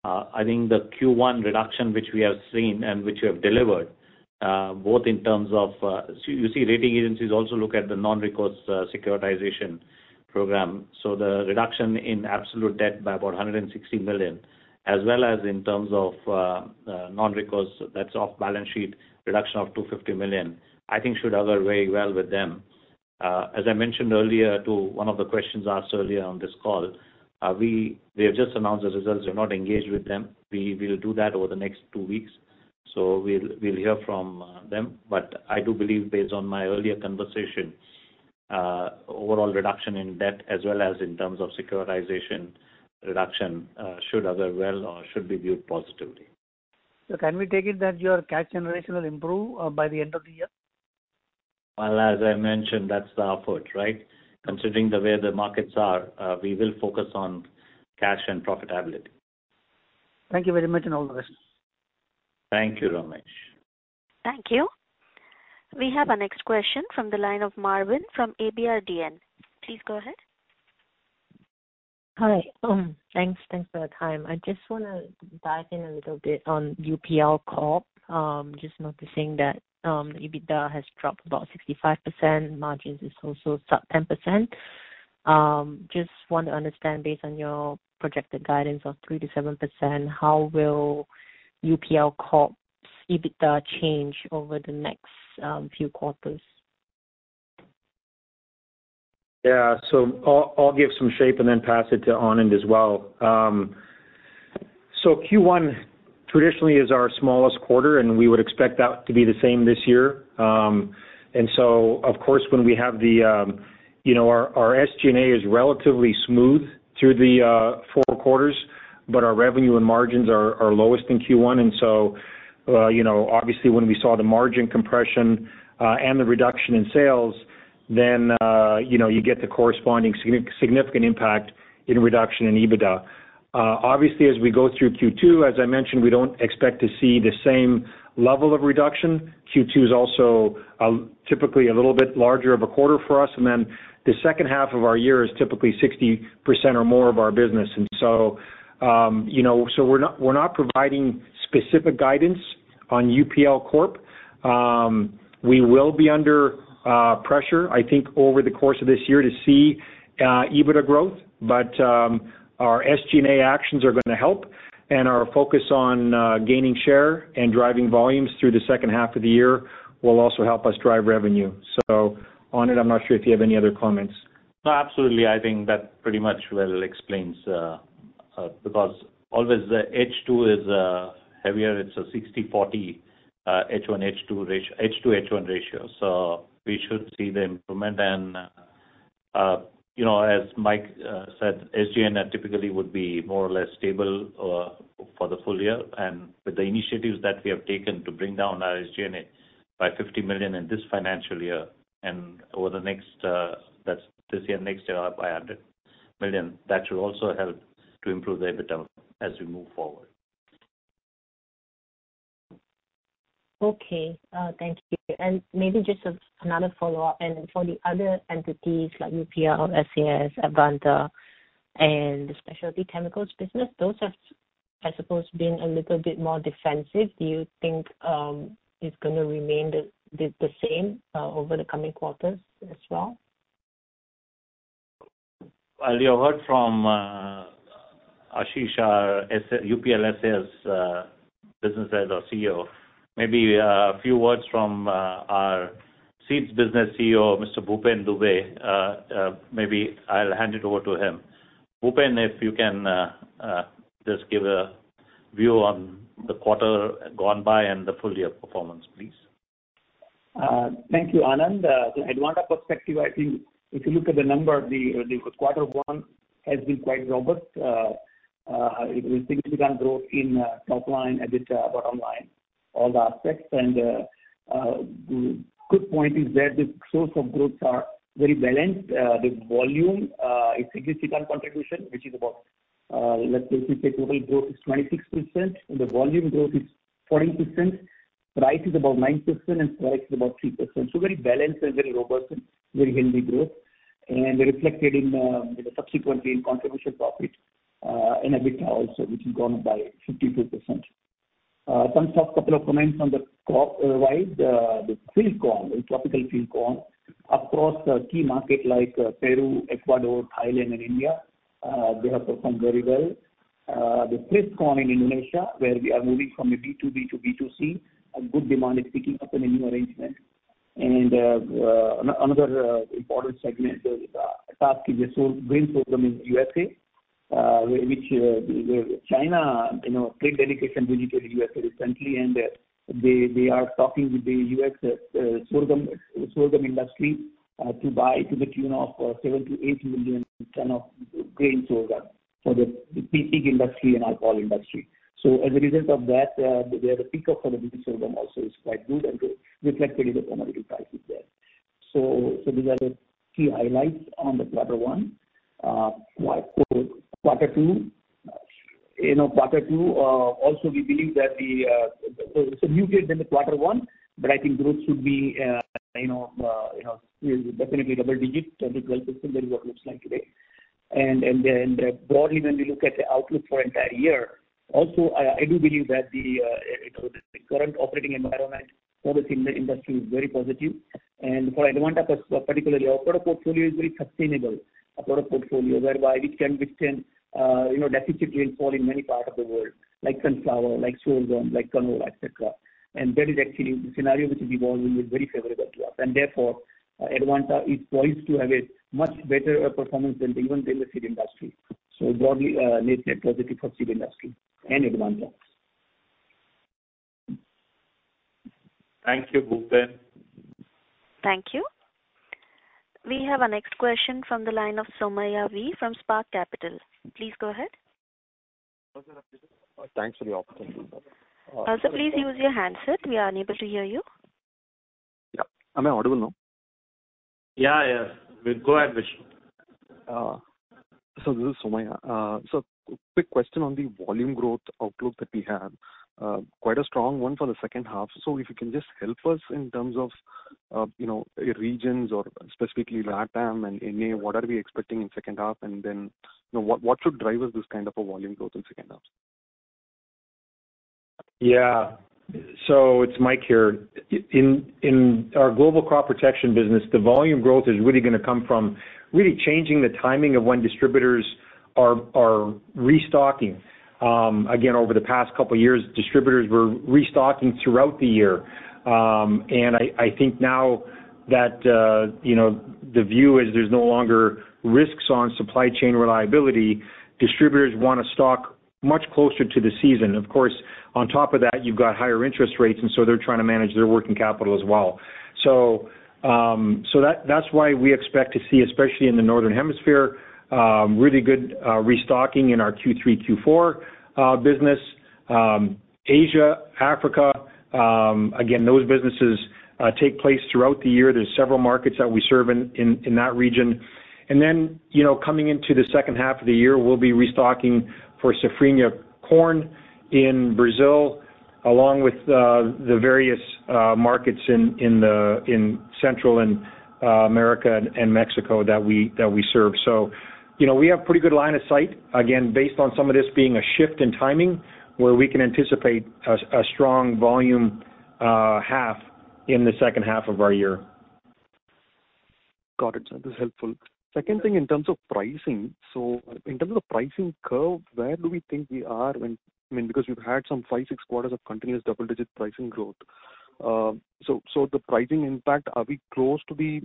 I think the Q1 reduction, which we have seen and which we have delivered, both in terms of, so you see, rating agencies also look at the non-recourse securitization program. The reduction in absolute debt by about $160 million, as well as in terms of non-recourse, that's off balance sheet, reduction of $250 million, I think should other very well with them. As I mentioned earlier to one of the questions asked earlier on this call, we have just announced the results. We're not engaged with them. We will do that over the next two weeks. We'll, we'll hear from them. I do believe, based on my earlier conversations, overall reduction in debt as well as in terms of securitization reduction, should other well or should be viewed positively. Can we take it that your cash generation will improve by the end of the year? Well, as I mentioned, that's the output, right? Considering the way the markets are, we will focus on cash and profitability. Thank you very much, and all the best. Thank you, Ramesh. Thank you. We have our next question from the line of Marvin from abrdn. Please go ahead. Hi. Thanks. Thanks for your time. I just wanna dive in a little bit on UPL Corp. Just noticing that, EBITDA has dropped about 65%, margins is also sub 10%. Just want to understand, based on your projected guidance of 3%-7%, how will UPL Corp's EBITDA change over the next few quarters? Yeah. I'll, I'll give some shape and then pass it to Anand as well. Q1 traditionally is our smallest quarter, and we would expect that to be the same this year. Of course, when we have the, you know, our SG&A is relatively smooth through the 4 quarters, but our revenue and margins are, are lowest in Q1. You know, obviously, when we saw the margin compression, and the reduction in sales, then, you know, you get the corresponding significant impact in reduction in EBITDA. As we go through Q2, as I mentioned, we don't expect to see the same level of reduction. Q2 is also, typically a little bit larger of a quarter for us, then the second half of our year is typically 60% or more of our business. You know, we're not, we're not providing specific guidance on UPL Corp. We will be under pressure, I think, over the course of this year to see EBITDA growth. Our SG&A actions are gonna help, and our focus on gaining share and driving volumes through the second half of the year will also help us drive revenue. Anand, I'm not sure if you have any other comments. No, absolutely. I think that pretty much well explains, because always the H2 is heavier. It's a 60/40 H1, H2 ratio- H2, H1 ratio. We should see the improvement. You know, as Mike said, SG&A typically would be more or less stable for the full year. With the initiatives that we have taken to bring down our SG&A by 50 million in this financial year and over the next, that's this year, next year, up by 100 million, that should also help to improve the EBITDA as we move forward. Okay, thank you. Maybe just a, another follow-up. For the other entities like UPL SAS, Advanta, and the Specialty Chemicals business, those have, I suppose, been a little bit more defensive. Do you think it's gonna remain the, the, the same over the coming quarters as well? Well, you heard from Ashish, our UPL SAS, business head or CEO. Maybe, a few words from our seeds business CEO, Mr. Bhupen Dubey. Maybe I'll hand it over to him. Bhupen, if you can, just give a view on the quarter gone by and the full year performance, please. Thank you, Anand. From Advanta perspective, I think if you look at the number, the quarter one has been quite robust. It was significant growth in top line, EBITDA, bottom line, all the aspects. The good point is that the source of growths are very balanced. The volume, a significant contribution, which is about, let's just say total growth is 26%, and the volume growth is 14%, price is about 9%, and product is about 3%. Very balanced and very robust and very healthy growth, and reflected in, you know, subsequently in contribution profit, in EBITDA also, which has gone up by 52%. Some top couple of comments on the crop wide, the field corn, tropical field corn across the key market like Peru, Ecuador, Thailand and India, they have performed very well. The fifth corn in Indonesia, where we are moving from a B2B to B2C, a good demand is picking up in a new arrangement. Another important segment is the grain program in the USA, which China, you know, paid dedication visit to the USA recently, and they are talking with the U.S. sorghum industry to buy to the tune of 7 million-8 million tons of grain sorghum for the pig industry and alcohol industry. As a result of that, they have a pickup for the grain sorghum also is quite good and reflected in the commodity prices there. These are the key highlights on the Quarter 1. Quarter 2, you know, Quarter 2, also we believe that the, so muted than the Quarter 1, but I think growth should be, you know, you know, definitely double digits, 10%-12%. That is what looks like today. Broadly, when we look at the outlook for entire year, also, I, I do believe that the, you know, the current operating environment for the seed industry is very positive. For Advanta particularly, our product portfolio is very sustainable. A lot of portfolio whereby we can withstand, you know, deficit rainfall in many parts of the world, like sunflower, like sorghum, like canola, et cetera. That is actually the scenario which is evolving is very favorable to us. Therefore, Advanta is poised to have a much better performance than even the seed industry. Broadly, net, net positive for seed industry and Advanta. Thank you, Bhupen. Thank you. We have our next question from the line of Somaiya V. from Spark Capital. Please go ahead. Thanks for the opportunity. Sir, please use your handset. We are unable to hear you. Yeah. Am I audible now? Yeah, yeah. Go ahead, Vishy. This is Somaiya. Quick question on the volume growth outlook that we have. Quite a strong one for the second half. If you can just help us in terms of, you know, regions or specifically LATAM and NA, what are we expecting in second half? You know, what, what should drive us this kind of a volume growth in second half? Yeah. It's Mike here. In our global crop protection business, the volume growth is really gonna come from really changing the timing of when distributors are restocking. Again, over the past couple of years, distributors were restocking throughout the year. I think now that, you know, the view is there's no longer risks on supply chain reliability, distributors want to stock much closer to the season. Of course, on top of that, you've got higher interest rates, and so they're trying to manage their working capital as well. That-that's why we expect to see, especially in the Northern Hemisphere, really good restocking in our Q3, Q4 business. Asia, Africa, again, those businesses take place throughout the year. There's several markets that we serve in that region. Then, you know, coming into the second half of the year, we'll be restocking for Safrinha corn in Brazil, along with, the various, markets in Central America and Mexico that we, that we serve. So, you know, we have pretty good line of sight, again, based on some of this being a shift in timing, where we can anticipate a, a strong volume, half in the second half of our year. Got it, sir. This is helpful. Second thing, in terms of pricing. In terms of pricing curve, where do we think we are? I mean, because we've had some five, six quarters of continuous double-digit pricing growth. The pricing impact, are we close to the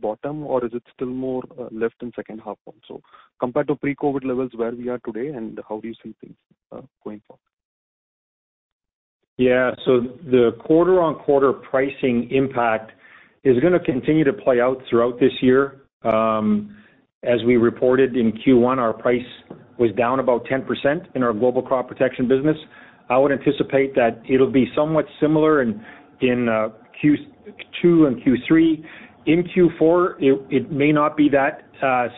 bottom or is it still more left in second half also? Compared to pre-COVID levels, where we are today, and how do you see things going forward? Yeah. The quarter-on-quarter pricing impact is gonna continue to play out throughout this year. As we reported in Q1, our price was down about 10% in our Global Crop Protection Business. I would anticipate that it'll be somewhat similar in, in Q2 and Q3. In Q4, it, it may not be that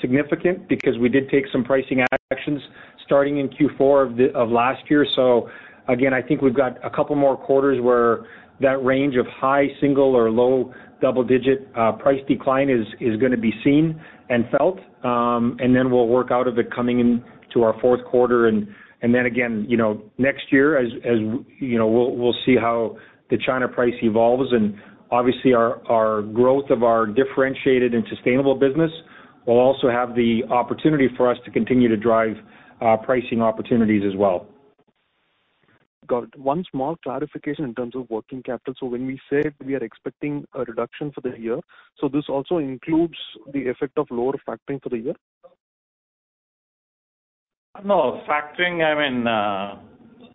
significant because we did take some pricing actions starting in Q4 of the, of last year. Again, I think we've got 2 more quarters where that range of high single or low double-digit price decline is, is gonna be seen and felt. Then we'll work out of it coming into our fourth quarter. Then again, you know, next year, as, as you know, we'll, we'll see how the China price evolves. obviously, our, our growth of our differentiated and sustainable business will also have the opportunity for us to continue to drive pricing opportunities as well. Got it. One small clarification in terms of working capital. When we say we are expecting a reduction for the year, so this also includes the effect of lower factoring for the year? No, factoring, I mean,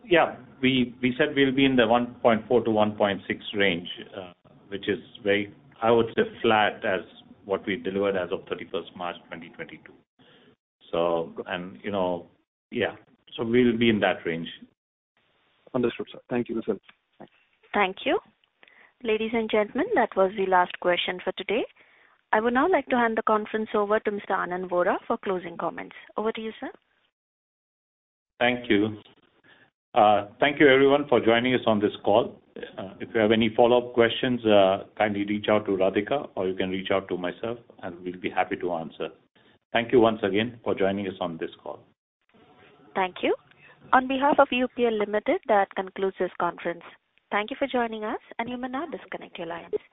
Yeah, we, we said we'll be in the 1.4-1.6 range, which is very, I would say, flat as what we delivered as of March 31, 2022. You know, so we'll be in that range. Understood, sir. Thank you. Thank you. Ladies and gentlemen, that was the last question for today. I would now like to hand the conference over to Mr. Anand Vora for closing comments. Over to you, sir. Thank you. Thank you everyone for joining us on this call. If you have any follow-up questions, kindly reach out to Radhika, or you can reach out to myself, and we'll be happy to answer. Thank you once again for joining us on this call. Thank you. On behalf of UPL Limited, that concludes this conference. Thank you for joining us, and you may now disconnect your lines.